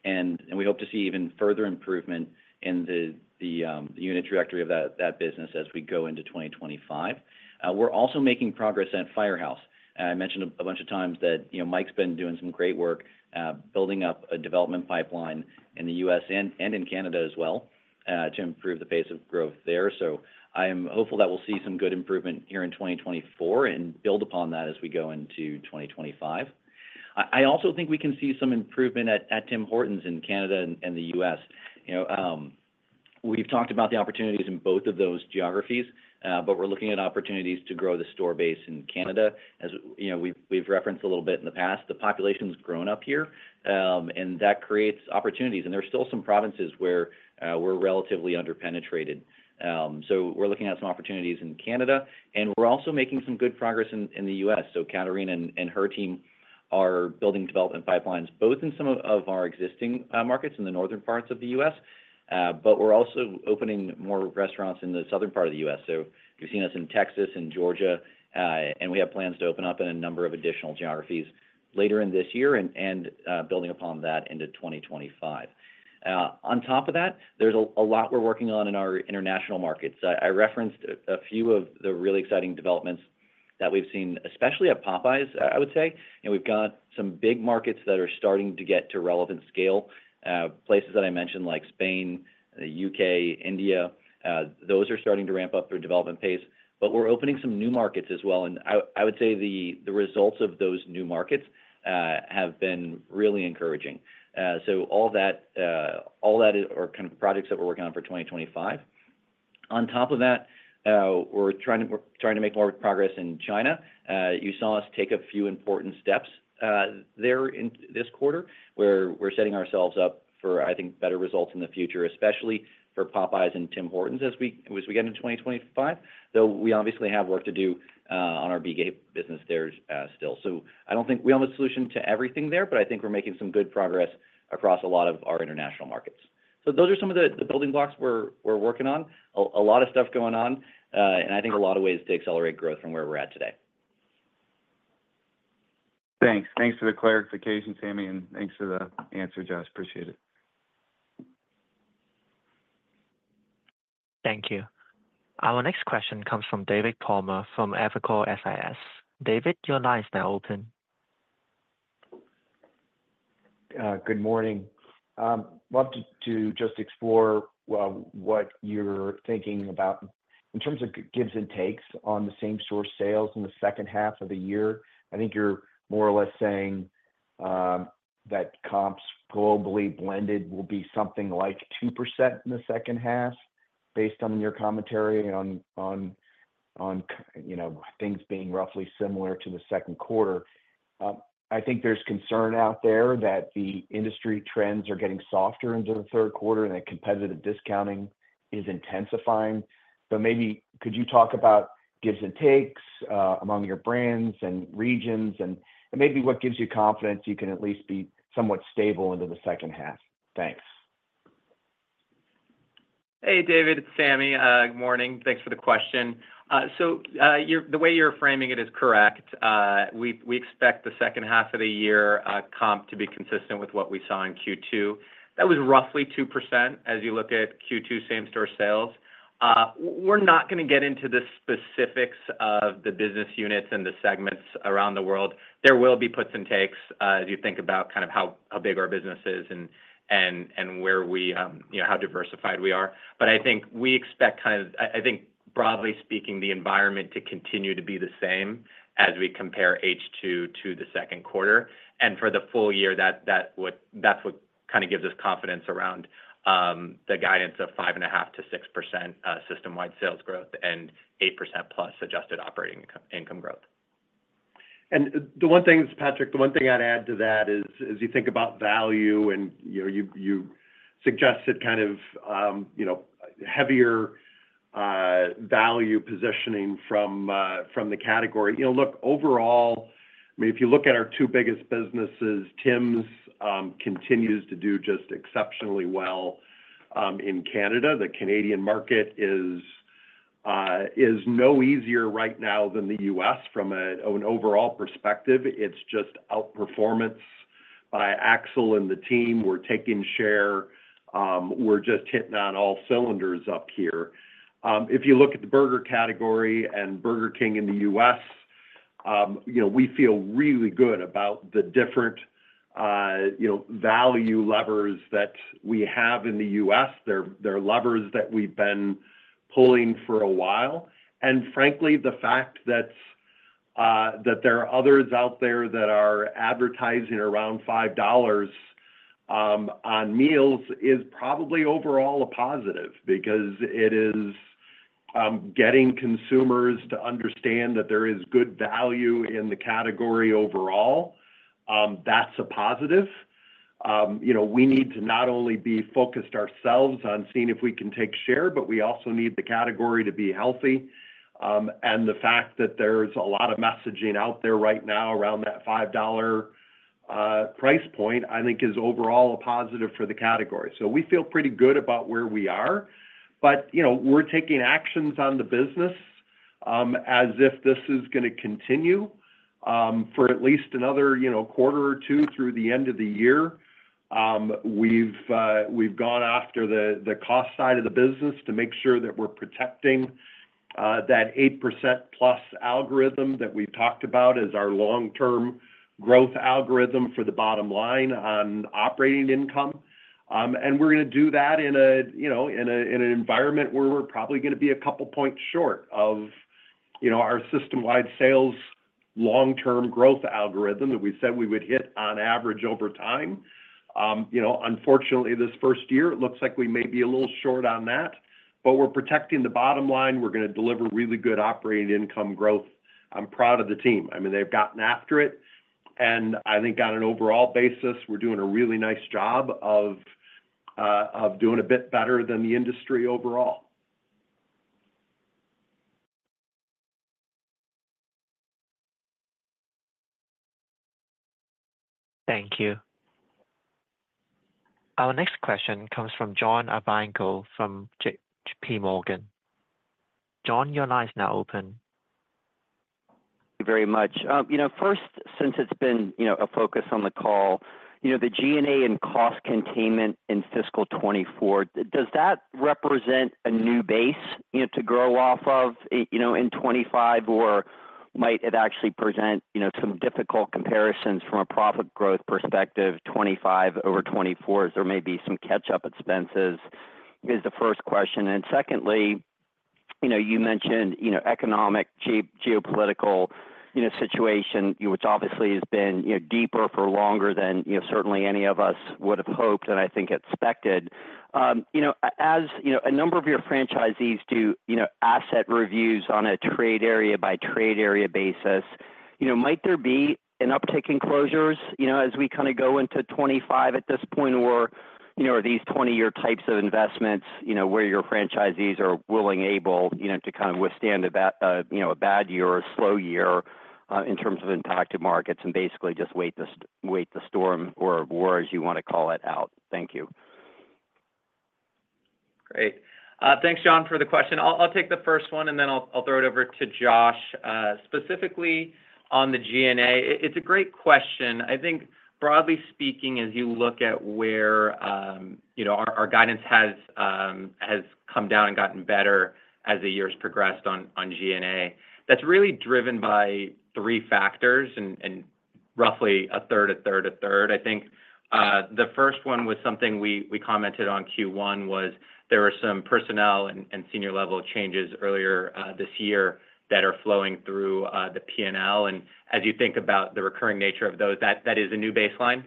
and we hope to see even further improvement in the unit trajectory of that business as we go into 2025. We're also making progress at Firehouse. I mentioned a bunch of times that Mike's been doing some great work building up a development pipeline in the U.S. and in Canada as well to improve the pace of growth there. So I am hopeful that we'll see some good improvement here in 2024 and build upon that as we go into 2025. I also think we can see some improvement at Tim Hortons in Canada and the U.S. We've talked about the opportunities in both of those geographies, but we're looking at opportunities to grow the store base in Canada. We've referenced a little bit in the past. The population's grown up here, and that creates opportunities. There's still some provinces where we're relatively under-penetrated. So we're looking at some opportunities in Canada, and we're also making some good progress in the U.S. So Katerina and her team are building development pipelines both in some of our existing markets in the northern parts of the U.S., but we're also opening more restaurants in the southern part of the U.S. So you've seen us in Texas and Georgia, and we have plans to open up in a number of additional geographies later in this year and building upon that into 2025. On top of that, there's a lot we're working on in our international markets. I referenced a few of the really exciting developments that we've seen, especially at Popeyes, I would say. We've got some big markets that are starting to get to relevant scale. Places that I mentioned, like Spain, the U.K., India, those are starting to ramp up their development pace. But we're opening some new markets as well. And I would say the results of those new markets have been really encouraging. So all that are kind of projects that we're working on for 2025. On top of that, we're trying to make more progress in China. You saw us take a few important steps there this quarter where we're setting ourselves up for, I think, better results in the future, especially for Popeyes and Tim Hortons as we get into 2025, though we obviously have work to do on our BG business there still. So I don't think we have a solution to everything there, but I think we're making some good progress across a lot of our international markets. So those are some of the building blocks we're working on. A lot of stuff going on, and I think a lot of ways to accelerate growth from where we're at today. Thanks. Thanks for the clarification, Sami, and thanks for the answer, Josh. Appreciate it. Thank you. Our next question comes from David Palmer from Evercore ISI. David, your line's now open. Good morning. I'd love to just explore what you're thinking about in terms of gives and takes on the same-store sales in the second half of the year. I think you're more or less saying that comps globally blended will be something like 2% in the second half based on your commentary on things being roughly similar to the second quarter. I think there's concern out there that the industry trends are getting softer into the third quarter and that competitive discounting is intensifying. So maybe could you talk about gives and takes among your brands and regions and maybe what gives you confidence you can at least be somewhat stable into the second half? Thanks. Hey, David, it's Sami. Good morning. Thanks for the question. So the way you're framing it is correct. We expect the second half of the year comp to be consistent with what we saw in Q2. That was roughly 2% as you look at Q2 same-store sales. We're not going to get into the specifics of the business units and the segments around the world. There will be puts and takes as you think about kind of how big our business is and where we how diversified we are. But I think we expect kind of I think broadly speaking, the environment to continue to be the same as we compare H2 to the second quarter. And for the full year, that's what kind of gives us confidence around the guidance of 5.5%-6% system-wide sales growth and 8%plus adjusted operating income growth. And the one thing is, Patrick, the one thing I'd add to that is as you think about value and you suggested kind of heavier value positioning from the category. Look, overall, if you look at our two biggest businesses, Tim's continues to do just exceptionally well in Canada. The Canadian market is no easier right now than the U.S. from an overall perspective. It's just outperformance by Axel and the team. We're taking share. We're just hitting on all cylinders up here. If you look at the burger category and Burger King in the U.S., we feel really good about the different value levers that we have in the U.S. They're levers that we've been pulling for a while. And frankly, the fact that there are others out there that are advertising around $5 on meals is probably overall a positive because it is getting consumers to understand that there is good value in the category overall. That's a positive. We need to not only be focused ourselves on seeing if we can take share, but we also need the category to be healthy. The fact that there's a lot of messaging out there right now around that $5 price point, I think, is overall a positive for the category. We feel pretty good about where we are, but we're taking actions on the business as if this is going to continue for at least another quarter or two through the end of the year. We've gone after the cost side of the business to make sure that we're protecting that 8%plus algorithm that we've talked about as our long-term growth algorithm for the bottom line on operating income. We're going to do that in an environment where we're probably going to be a couple points short of our system-wide sales long-term growth algorithm that we said we would hit on average over time. Unfortunately, this first year, it looks like we may be a little short on that, but we're protecting the bottom line. We're going to deliver really good operating income growth. I'm proud of the team. I mean, they've gotten after it. And I think on an overall basis, we're doing a really nice job of doing a bit better than the industry overall. Thank you. Our next question comes from John Ivankoe from J.P. Morgan. John, your line's now open. Thank you very much. First, since it's been a focus on the call, the G&A and cost containment in fiscal 2024, does that represent a new base to grow off of in 2025, or might it actually present some difficult comparisons from a profit growth perspective 2025 over 2024? There may be some catch-up expenses is the first question. And secondly, you mentioned economic geopolitical situation, which obviously has been deeper for longer than certainly any of us would have hoped and I think expected. As a number of your franchisees do asset reviews on a trade area by trade area basis, might there be an uptick in closures as we kind of go into 2025 at this point, or are these 20-year types of investments where your franchisees are willing and able to kind of withstand a bad year or a slow year in terms of impacted markets and basically just wait the storm or war, as you want to call it out? Thank you. Great. Thanks, John, for the question. I'll take the first one, and then I'll throw it over to Josh. Specifically on the G&A, it's a great question. I think broadly speaking, as you look at where our guidance has come down and gotten better as the years progressed on G&A, that's really driven by three factors and roughly a third, a third, a third. I think the first one was something we commented on Q1 was there were some personnel and senior-level changes earlier this year that are flowing through the P&L. And as you think about the recurring nature of those, that is a new baseline.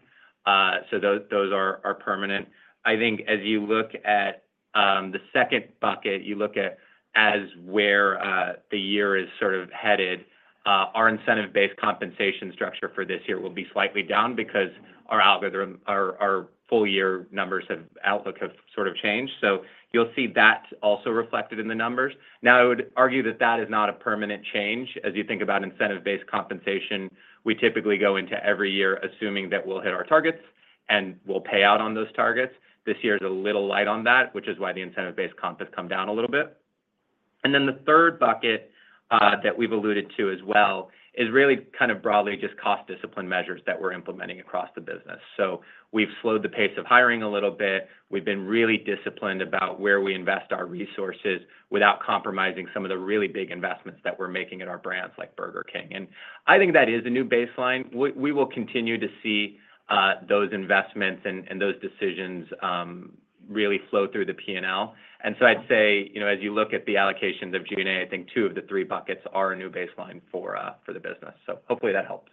So those are permanent. I think as you look at the second bucket, you look at as where the year is sort of headed, our incentive-based compensation structure for this year will be slightly down because our full-year numbers and outlook have sort of changed. So you'll see that also reflected in the numbers. Now, I would argue that that is not a permanent change. As you think about incentive-based compensation, we typically go into every year assuming that we'll hit our targets and we'll pay out on those targets. This year is a little light on that, which is why the incentive-based comp has come down a little bit. And then the third bucket that we've alluded to as well is really kind of broadly just cost discipline measures that we're implementing across the business. So we've slowed the pace of hiring a little bit. We've been really disciplined about where we invest our resources without compromising some of the really big investments that we're making at our brands like Burger King. And I think that is a new baseline. We will continue to see those investments and those decisions really flow through the P&L. And so I'd say as you look at the allocations of G&A, I think two of the three buckets are a new baseline for the business. So hopefully that helps.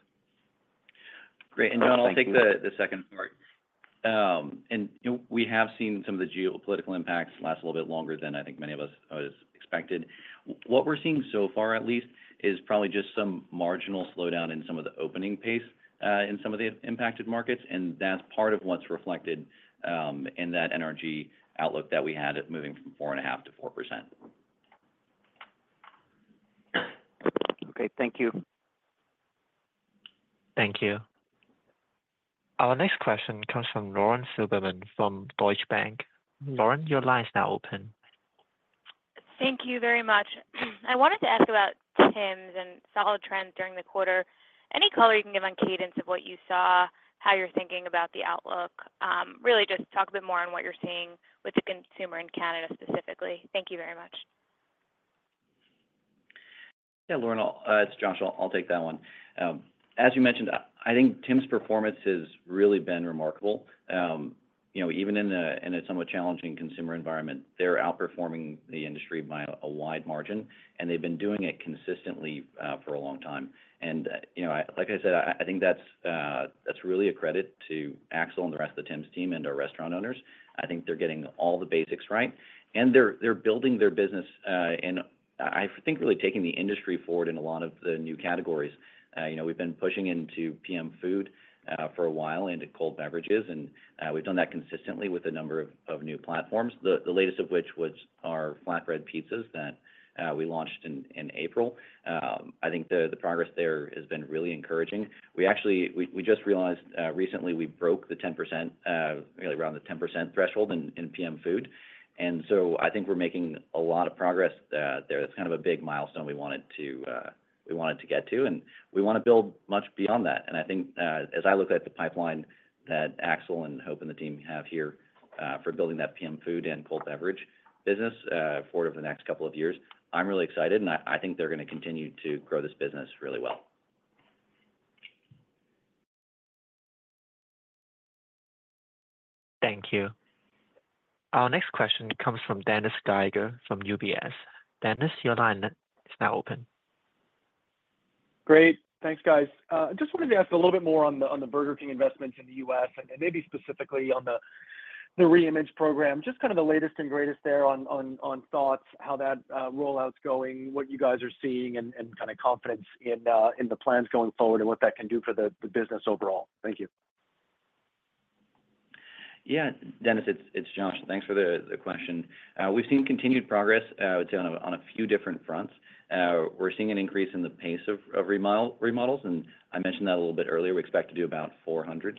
Great. And John, I'll take the second part. And we have seen some of the geopolitical impacts last a little bit longer than I think many of us expected. What we're seeing so far, at least, is probably just some marginal slowdown in some of the opening pace in some of the impacted markets. And that's part of what's reflected in that NRG outlook that we had moving from 4.5%-4%. Okay. Thank you. Thank you. Our next question comes from Lauren Silberman from Deutsche Bank. Lauren, your line's now open. Thank you very much. I wanted to ask about Tim's and solid trends during the quarter. Any color you can give on cadence of what you saw, how you're thinking about the outlook, really just talk a bit more on what you're seeing with the consumer in Canada specifically. Thank you very much. Yeah, Lauren, it's Josh. I'll take that one. As you mentioned, I think Tim's performance has really been remarkable. Even in a somewhat challenging consumer environment, they're outperforming the industry by a wide margin, and they've been doing it consistently for a long time. And like I said, I think that's really a credit to Axel and the rest of the Tim's team and our restaurant owners. I think they're getting all the basics right, and they're building their business. And I think really taking the industry forward in a lot of the new categories. We've been pushing into PM food for a while and cold beverages, and we've done that consistently with a number of new platforms, the latest of which was our flatbread pizzas that we launched in April. I think the progress there has been really encouraging. We just realized recently we broke the 10%, around the 10% threshold in PM food. And so I think we're making a lot of progress there. It's kind of a big milestone we wanted to get to, and we want to build much beyond that. And I think as I look at the pipeline that Axel and Hope and the team have here for building that PM food and cold beverage business forward over the next couple of years, I'm really excited, and I think they're going to continue to grow this business really well. Thank you. Our next question comes from Dennis Geiger from UBS. Dennis, your line is now open. Great. Thanks, guys. I just wanted to ask a little bit more on the Burger King investments in the U.S. and maybe specifically on the reimage program, just kind of the latest and greatest there on thoughts, how that rollout's going, what you guys are seeing, and kind of confidence in the plans going forward and what that can do for the business overall. Thank you. Yeah, Dennis, it's Josh. Thanks for the question. We've seen continued progress on a few different fronts. We're seeing an increase in the pace of remodels, and I mentioned that a little bit earlier. We expect to do about 400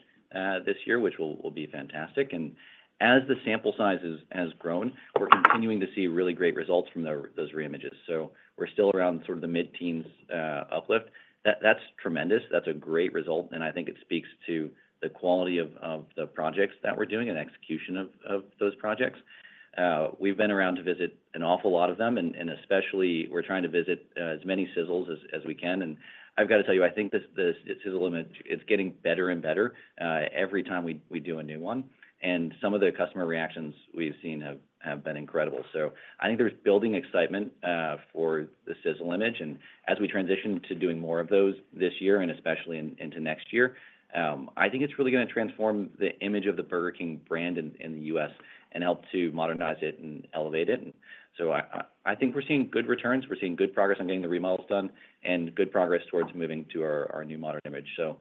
this year, which will be fantastic. And as the sample size has grown, we're continuing to see really great results from those reimages. So we're still around sort of the mid-teens uplift. That's tremendous. That's a great result, and I think it speaks to the quality of the projects that we're doing and execution of those projects. We've been around to visit an awful lot of them, and especially we're trying to visit as many Sizzles as we can. And I've got to tell you, I think the Sizzle image, it's getting better and better every time we do a new one. And some of the customer reactions we've seen have been incredible. So I think there's building excitement for the Sizzle image. And as we transition to doing more of those this year and especially into next year, I think it's really going to transform the image of the Burger King brand in the U.S. and help to modernize it and elevate it. And so I think we're seeing good returns. We're seeing good progress on getting the remodels done and good progress towards moving to our new modern image. So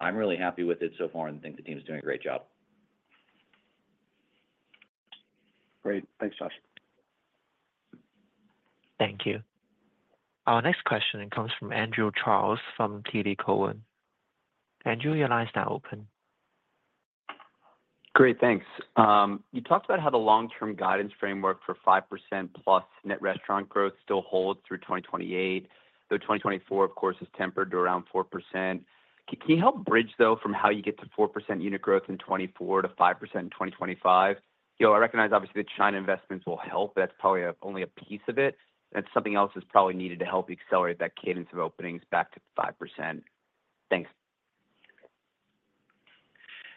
I'm really happy with it so far and think the team's doing a great job. Great. Thanks, Josh. Thank you. Our next question comes from Andrew Charles from TD Cowen. Andrew, your line's now open. Great. Thanks. You talked about how the long-term guidance framework for 5%+ net restaurant growth still holds through 2028, though 2024, of course, is tempered to around 4%. Can you help bridge, though, from how you get to 4% unit growth in 2024 to 5% in 2025? I recognize, obviously, that China investments will help, but that's probably only a piece of it. That's something else that's probably needed to help accelerate that cadence of openings back to 5%. Thanks.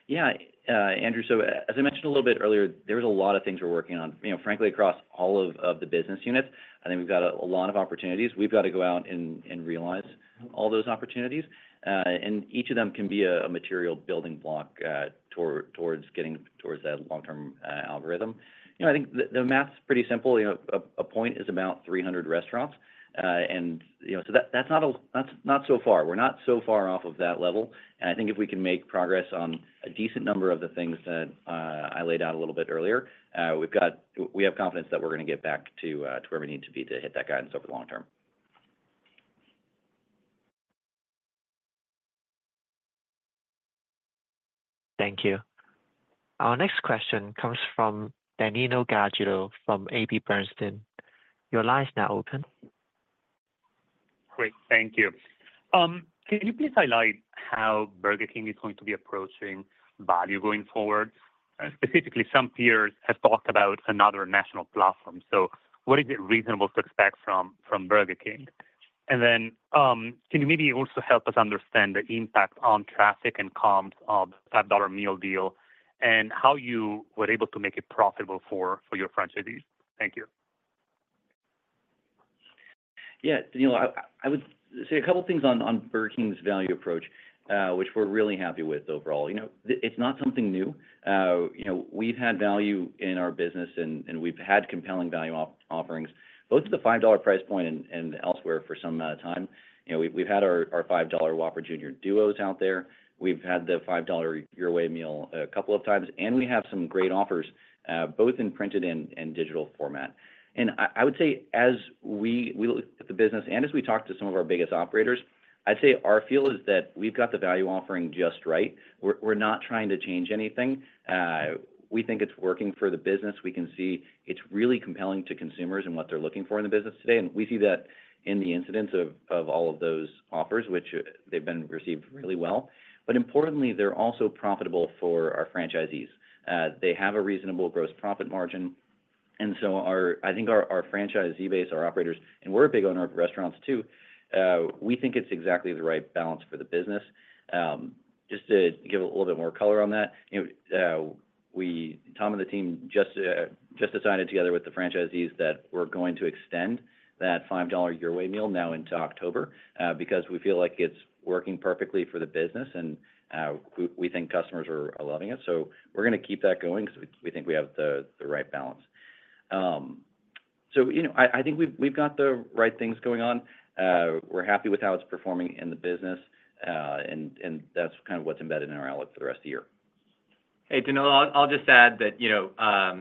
Yeah, Andrew, so as I mentioned a little bit earlier, there's a lot of things we're working on, frankly, across all of the business units. I think we've got a lot of opportunities. We've got to go out and realize all those opportunities. And each of them can be a material building block towards getting towards that long-term algorithm. I think the math's pretty simple. A point is about 300 restaurants. And so that's not so far. We're not so far off of that level. And I think if we can make progress on a decent number of the things that I laid out a little bit earlier, we have confidence that we're going to get back to where we need to be to hit that guidance over the long term. Thank you. Our next question comes from Danilo Gargiulo from AB Bernstein. Your line's now open. Great. Thank you. Can you please highlight how Burger King is going to be approaching value going forward? Specifically, some peers have talked about another national platform. So what is it reasonable to expect from Burger King? And then can you maybe also help us understand the impact on traffic and comps of the $5 meal deal and how you were able to make it profitable for your franchisees? Thank you. Yeah, Danilo, I would say a couple of things on Burger King's value approach, which we're really happy with overall. It's not something new. We've had value in our business, and we've had compelling value offerings, both at the $5 price point and elsewhere for some amount of time. We've had our $5 Whopper Jr. Duos out there. We've had the $5 Your Way Meal a couple of times, and we have some great offers, both in printed and digital format. I would say as we look at the business and as we talk to some of our biggest operators, I'd say our feel is that we've got the value offering just right. We're not trying to change anything. We think it's working for the business. We can see it's really compelling to consumers and what they're looking for in the business today. And we see that in the incidence of all of those offers, which they've been received really well. But importantly, they're also profitable for our franchisees. They have a reasonable gross profit margin. And so I think our franchisee base, our operators, and we're a big owner of restaurants too, we think it's exactly the right balance for the business. Just to give a little bit more color on that, Tom and the team just decided together with the franchisees that we're going to extend that $5 Your Way meal now into October because we feel like it's working perfectly for the business, and we think customers are loving it. So we're going to keep that going because we think we have the right balance. So I think we've got the right things going on. We're happy with how it's performing in the business, and that's kind of what's embedded in our outlook for the rest of the year. Hey, Danilo, I'll just add that,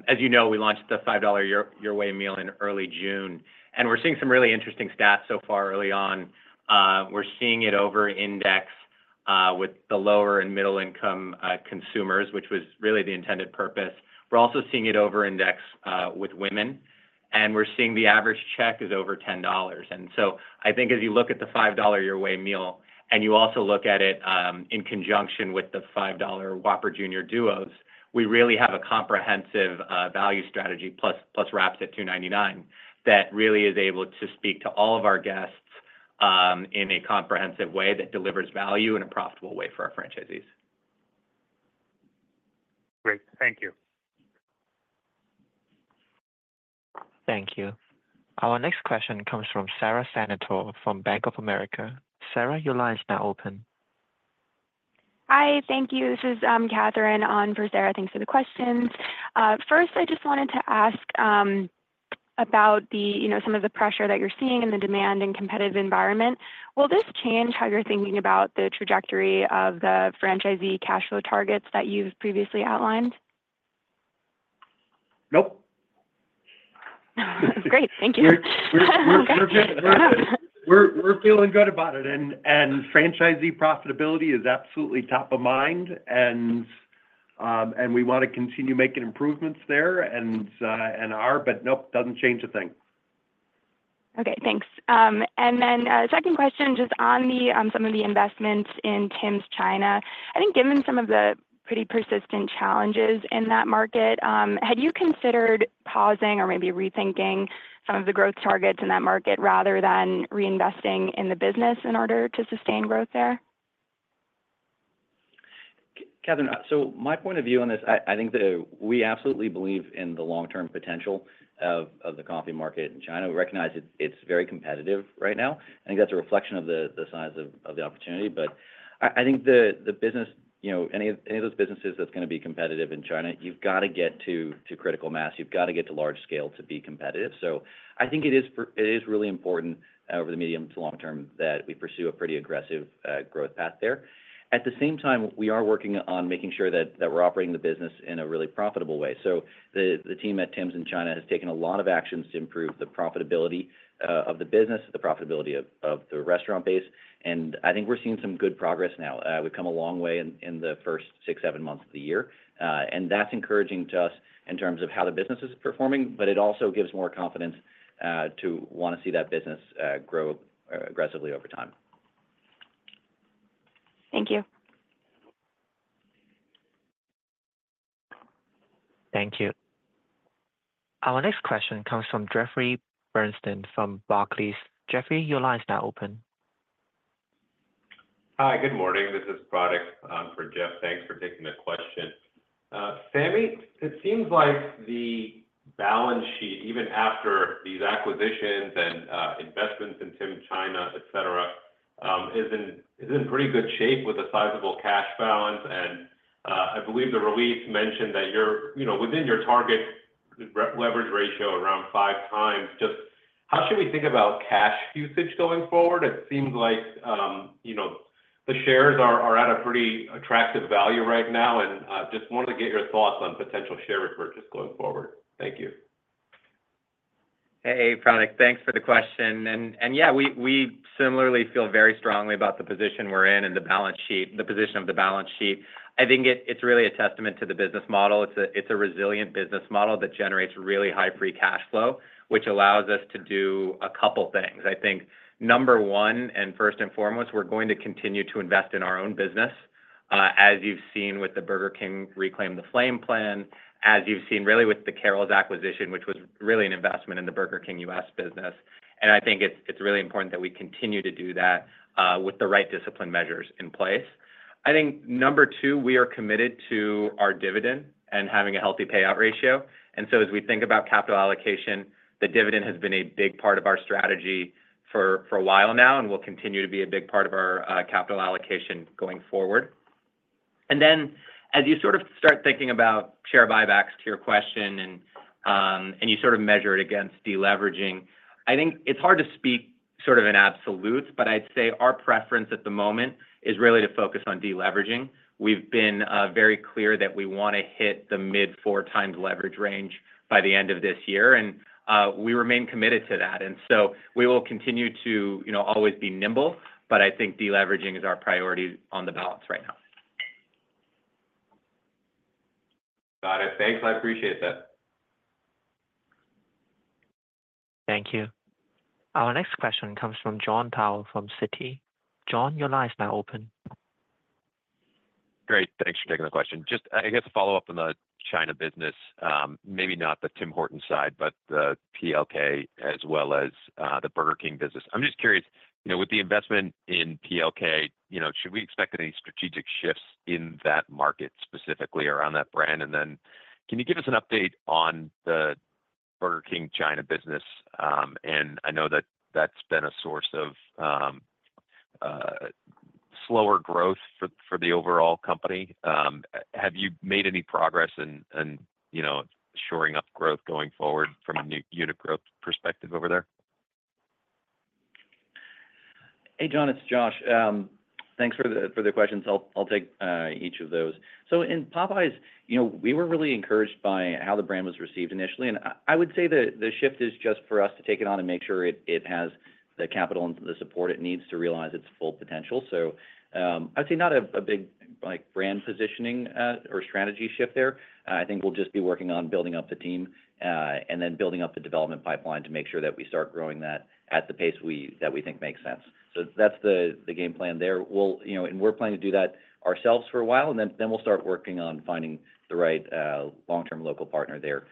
as you know, we launched the $5 Your Way meal in early June, and we're seeing some really interesting stats so far early on. We're seeing it over index with the lower and middle-income consumers, which was really the intended purpose. We're also seeing it over index with women, and we're seeing the average check is over $10. And so I think as you look at the $5 Your Way meal and you also look at it in conjunction with the $5 Whopper Jr. Duos, we really have a comprehensive value strategy plus wraps at $2.99 that really is able to speak to all of our guests in a comprehensive way that delivers value in a profitable way for our franchisees. Great. Thank you. Thank you. Our next question comes from Sara Senatore from Bank of America. Sarah, your line's now open. Hi, thank you. This is Katherine on for Sarah. Thanks for the questions. First, I just wanted to ask about some of the pressure that you're seeing in the demand and competitive environment. Will this change how you're thinking about the trajectory of the franchisee cash flow targets that you've previously outlined? Nope. Great. Thank you. We're feeling good about it. And franchisee profitability is absolutely top of mind, and we want to continue making improvements there and are, but nope, doesn't change a thing. Okay, thanks. And then second question, just on some of the investments in Tims China, I think given some of the pretty persistent challenges in that market, had you considered pausing or maybe rethinking some of the growth targets in that market rather than reinvesting in the business in order to sustain growth there? Catherine, so my point of view on this, I think that we absolutely believe in the long-term potential of the coffee market in China. We recognize it's very competitive right now. I think that's a reflection of the size of the opportunity. But I think the business, any of those businesses that's going to be competitive in China, you've got to get to critical mass. You've got to get to large scale to be competitive. So I think it is really important over the medium to long term that we pursue a pretty aggressive growth path there. At the same time, we are working on making sure that we're operating the business in a really profitable way. So the team at Tim's in China has taken a lot of actions to improve the profitability of the business, the profitability of the restaurant base. And I think we're seeing some good progress now. We've come a long way in the first six, seven months of the year. That's encouraging to us in terms of how the business is performing, but it also gives more confidence to want to see that business grow aggressively over time. Thank you. Thank you. Our next question comes from Jeffrey Bernstein from Barclays. Jeffrey, your line's now open. Hi, good morning. This is Pratik on for Jeff. Thanks for taking the question. Sami, it seems like the balance sheet, even after these acquisitions and investments in Tims China, etc., is in pretty good shape with a sizable cash balance. And I believe the release mentioned that you're within your target leverage ratio around five times. Just how should we think about cash usage going forward? It seems like the shares are at a pretty attractive value right now. And just wanted to get your thoughts on potential share purchase going forward. Thank you. Hey, Pratik, thanks for the question. Yeah, we similarly feel very strongly about the position we're in and the position of the balance sheet. I think it's really a testament to the business model. It's a resilient business model that generates really high free cash flow, which allows us to do a couple of things. I think number one and first and foremost, we're going to continue to invest in our own business, as you've seen with the Burger King Reclaim the Flame plan, as you've seen really with the Carrols acquisition, which was really an investment in the Burger King U.S. business. I think it's really important that we continue to do that with the right discipline measures in place. I think number two, we are committed to our dividend and having a healthy payout ratio. And so as we think about capital allocation, the dividend has been a big part of our strategy for a while now and will continue to be a big part of our capital allocation going forward. And then as you sort of start thinking about share buybacks to your question and you sort of measure it against deleveraging, I think it's hard to speak sort of in absolutes, but I'd say our preference at the moment is really to focus on deleveraging. We've been very clear that we want to hit the mid-4x leverage range by the end of this year, and we remain committed to that. And so we will continue to always be nimble, but I think deleveraging is our priority on the balance right now. Got it. Thanks. I appreciate that. Thank you. Our next question comes from Jon Tower from Citi. Jon, your line's now open. Great. Thanks for taking the question. Just, I guess, a follow-up on the China business, maybe not the Tim Hortons side, but the PLK as well as the Burger King business. I'm just curious, with the investment in PLK, should we expect any strategic shifts in that market specifically around that brand? And then can you give us an update on the Burger King China business? And I know that that's been a source of slower growth for the overall company. Have you made any progress in shoring up growth going forward from a unit growth perspective over there? Hey, Jon, it's Josh. Thanks for the questions. I'll take each of those. So in Popeyes, we were really encouraged by how the brand was received initially. I would say the shift is just for us to take it on and make sure it has the capital and the support it needs to realize its full potential. So I would say not a big brand positioning or strategy shift there. I think we'll just be working on building up the team and then building up the development pipeline to make sure that we start growing that at the pace that we think makes sense. So that's the game plan there. And we're planning to do that ourselves for a while, and then we'll start working on finding the right long-term local partner there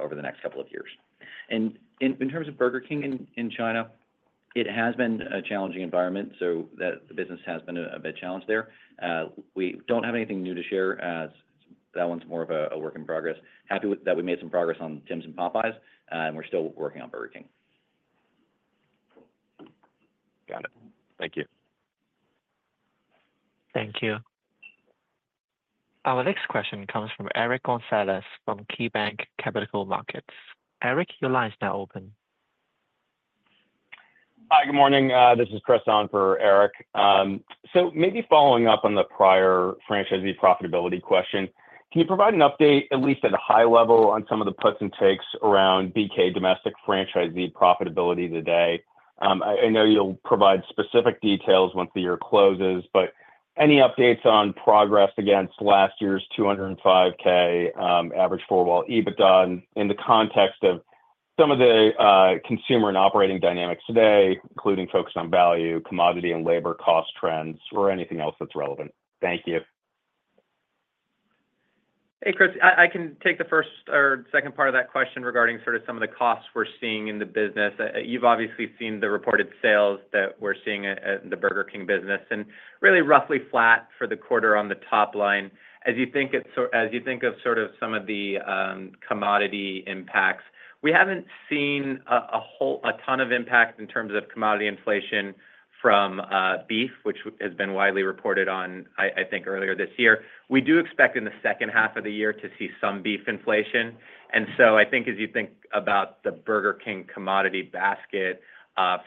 over the next couple of years. And in terms of Burger King in China, it has been a challenging environment, so the business has been a bit challenged there. We don't have anything new to share. That one's more of a work in progress. Happy that we made some progress on Tim's and Popeyes, and we're still working on Burger King. Got it. Thank you. Thank you. Our next question comes from Eric Gonzalez from KeyBank Capital Markets. Eric, your line's now open. Hi, good morning. This is Chris on for Eric. So maybe following up on the prior franchisee profitability question, can you provide an update, at least at a high level, on some of the puts and takes around BK Domestic franchisee profitability today? I know you'll provide specific details once the year closes, but any updates on progress against last year's $205,000 average four-wall EBITDA in the context of some of the consumer and operating dynamics today, including focus on value, commodity, and labor cost trends, or anything else that's relevant? Thank you. Hey, Chris, I can take the first or second part of that question regarding sort of some of the costs we're seeing in the business. You've obviously seen the reported sales that we're seeing in the Burger King business, and really roughly flat for the quarter on the top line. As you think of sort of some of the commodity impacts, we haven't seen a ton of impact in terms of commodity inflation from beef, which has been widely reported on, I think, earlier this year. We do expect in the second half of the year to see some beef inflation. And so I think as you think about the Burger King commodity basket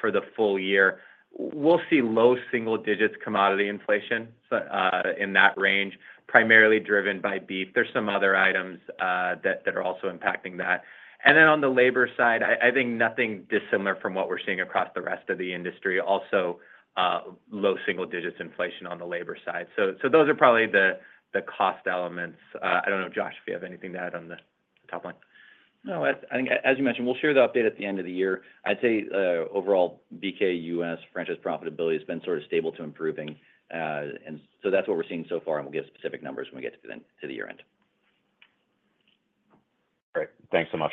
for the full year, we'll see low single-digit commodity inflation in that range, primarily driven by beef. There's some other items that are also impacting that. And then on the labor side, I think nothing dissimilar from what we're seeing across the rest of the industry, also low single-digit inflation on the labor side. So those are probably the cost elements. I don't know, Josh, if you have anything to add on the top line. No, I think as you mentioned, we'll share the update at the end of the year. I'd say overall BK U.S. franchise profitability has been sort of stable to improving. And so that's what we're seeing so far, and we'll get specific numbers when we get to the year end. Great. Thanks so much.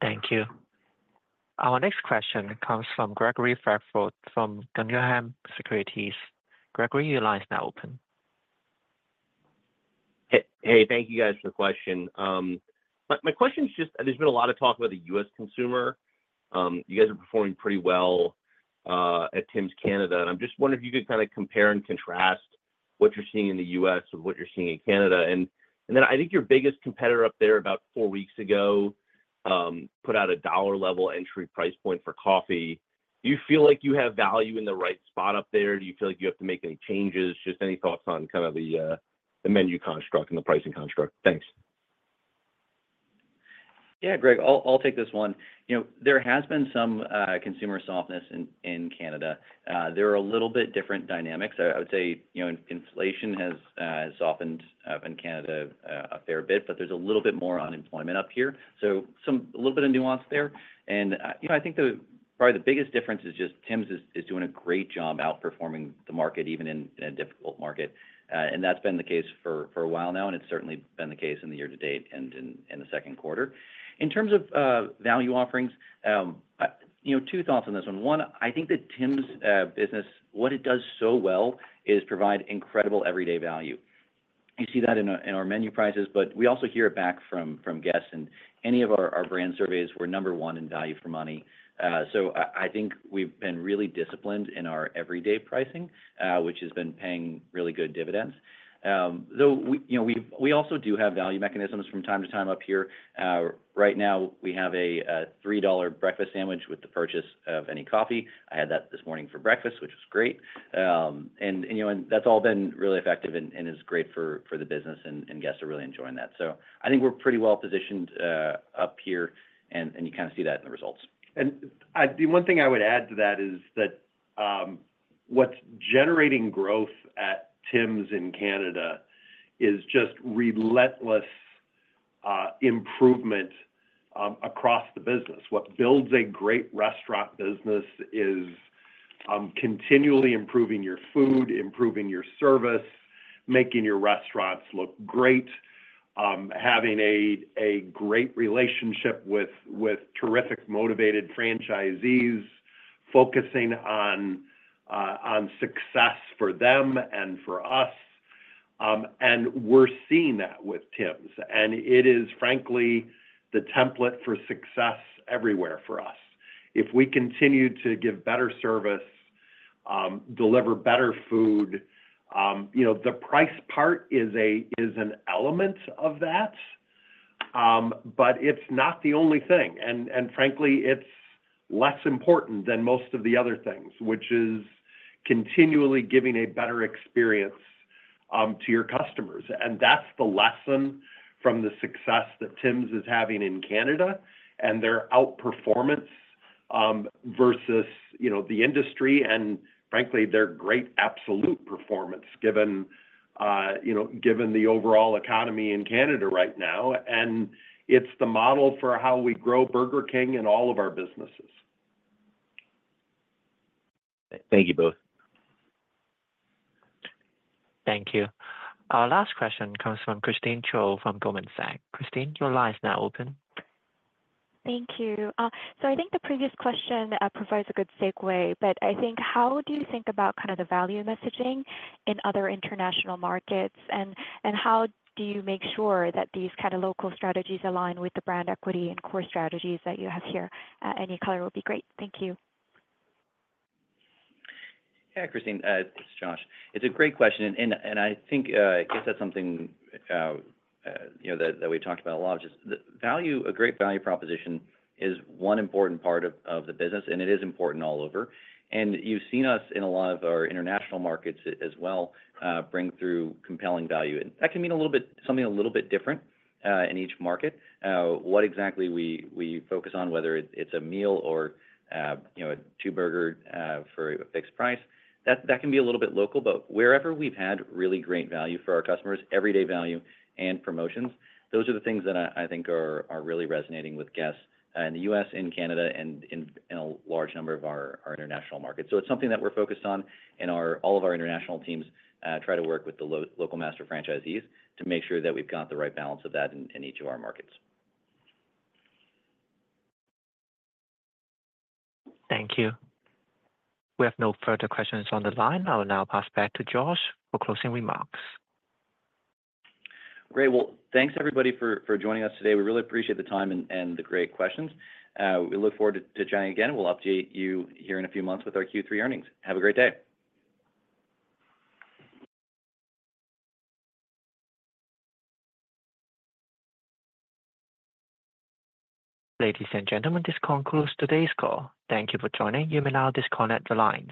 Thank you. Our next question comes from Gregory Francfort from Guggenheim Securities. Gregory, your line's now open. Hey, thank you guys for the question. My question's just, there's been a lot of talk about the U.S. consumer. You guys are performing pretty well at Tim's Canada. I'm just wondering if you could kind of compare and contrast what you're seeing in the U.S. with what you're seeing in Canada. And then I think your biggest competitor up there about four weeks ago put out a dollar-level entry price point for coffee. Do you feel like you have value in the right spot up there? Do you feel like you have to make any changes? Just any thoughts on kind of the menu construct and the pricing construct? Thanks. Yeah, Greg, I'll take this one. There has been some consumer softness in Canada. There are a little bit different dynamics. I would say inflation has softened in Canada a fair bit, but there's a little bit more unemployment up here. So a little bit of nuance there. I think probably the biggest difference is just Tim's is doing a great job outperforming the market, even in a difficult market. That's been the case for a while now, and it's certainly been the case in the year to date and in the second quarter. In terms of value offerings, two thoughts on this one. One, I think that Tim's business, what it does so well is provide incredible everyday value. You see that in our menu prices, but we also hear it back from guests. Any of our brand surveys were number one in value for money. So I think we've been really disciplined in our everyday pricing, which has been paying really good dividends. Though we also do have value mechanisms from time to time up here. Right now, we have a $3 breakfast sandwich with the purchase of any coffee. I had that this morning for breakfast, which was great. And that's all been really effective and is great for the business, and guests are really enjoying that. So I think we're pretty well positioned up here, and you kind of see that in the results. And the one thing I would add to that is that what's generating growth at Tim's in Canada is just relentless improvement across the business. What builds a great restaurant business is continually improving your food, improving your service, making your restaurants look great, having a great relationship with terrific motivated franchisees, focusing on success for them and for us. And we're seeing that with Tim's. And it is, frankly, the template for success everywhere for us. If we continue to give better service, deliver better food, the price part is an element of that, but it's not the only thing. And frankly, it's less important than most of the other things, which is continually giving a better experience to your customers. And that's the lesson from the success that Tim's is having in Canada and their outperformance versus the industry. And frankly, their great absolute performance given the overall economy in Canada right now. And it's the model for how we grow Burger King and all of our businesses. Thank you both. Thank you. Our last question comes from Christine Cho from Goldman Sachs. Christine, your line's now open. Thank you. So I think the previous question provides a good segue, but I think how do you think about kind of the value messaging in other international markets? And how do you make sure that these kind of local strategies align with the brand equity and core strategies that you have here? Any color will be great. Thank you. Hey, Christine, this is Josh. It's a great question. I think, I guess that's something that we've talked about a lot, which is value. A great value proposition is one important part of the business, and it is important all over. You've seen us in a lot of our international markets as well bring through compelling value. That can mean a little bit something a little bit different in each market, what exactly we focus on, whether it's a meal or a two-burger for a fixed price. That can be a little bit local, but wherever we've had really great value for our customers, everyday value and promotions, those are the things that I think are really resonating with guests in the U.S., in Canada, and in a large number of our international markets. So it's something that we're focused on, and all of our international teams try to work with the local master franchisees to make sure that we've got the right balance of that in each of our markets. Thank you. We have no further questions on the line. I'll now pass back to Josh for closing remarks. Great. Well, thanks everybody for joining us today. We really appreciate the time and the great questions. We look forward to chatting again. We'll update you here in a few months with our Q3 earnings. Have a great day. Ladies and gentlemen, this concludes today's call. Thank you for joining. You may now disconnect the lines.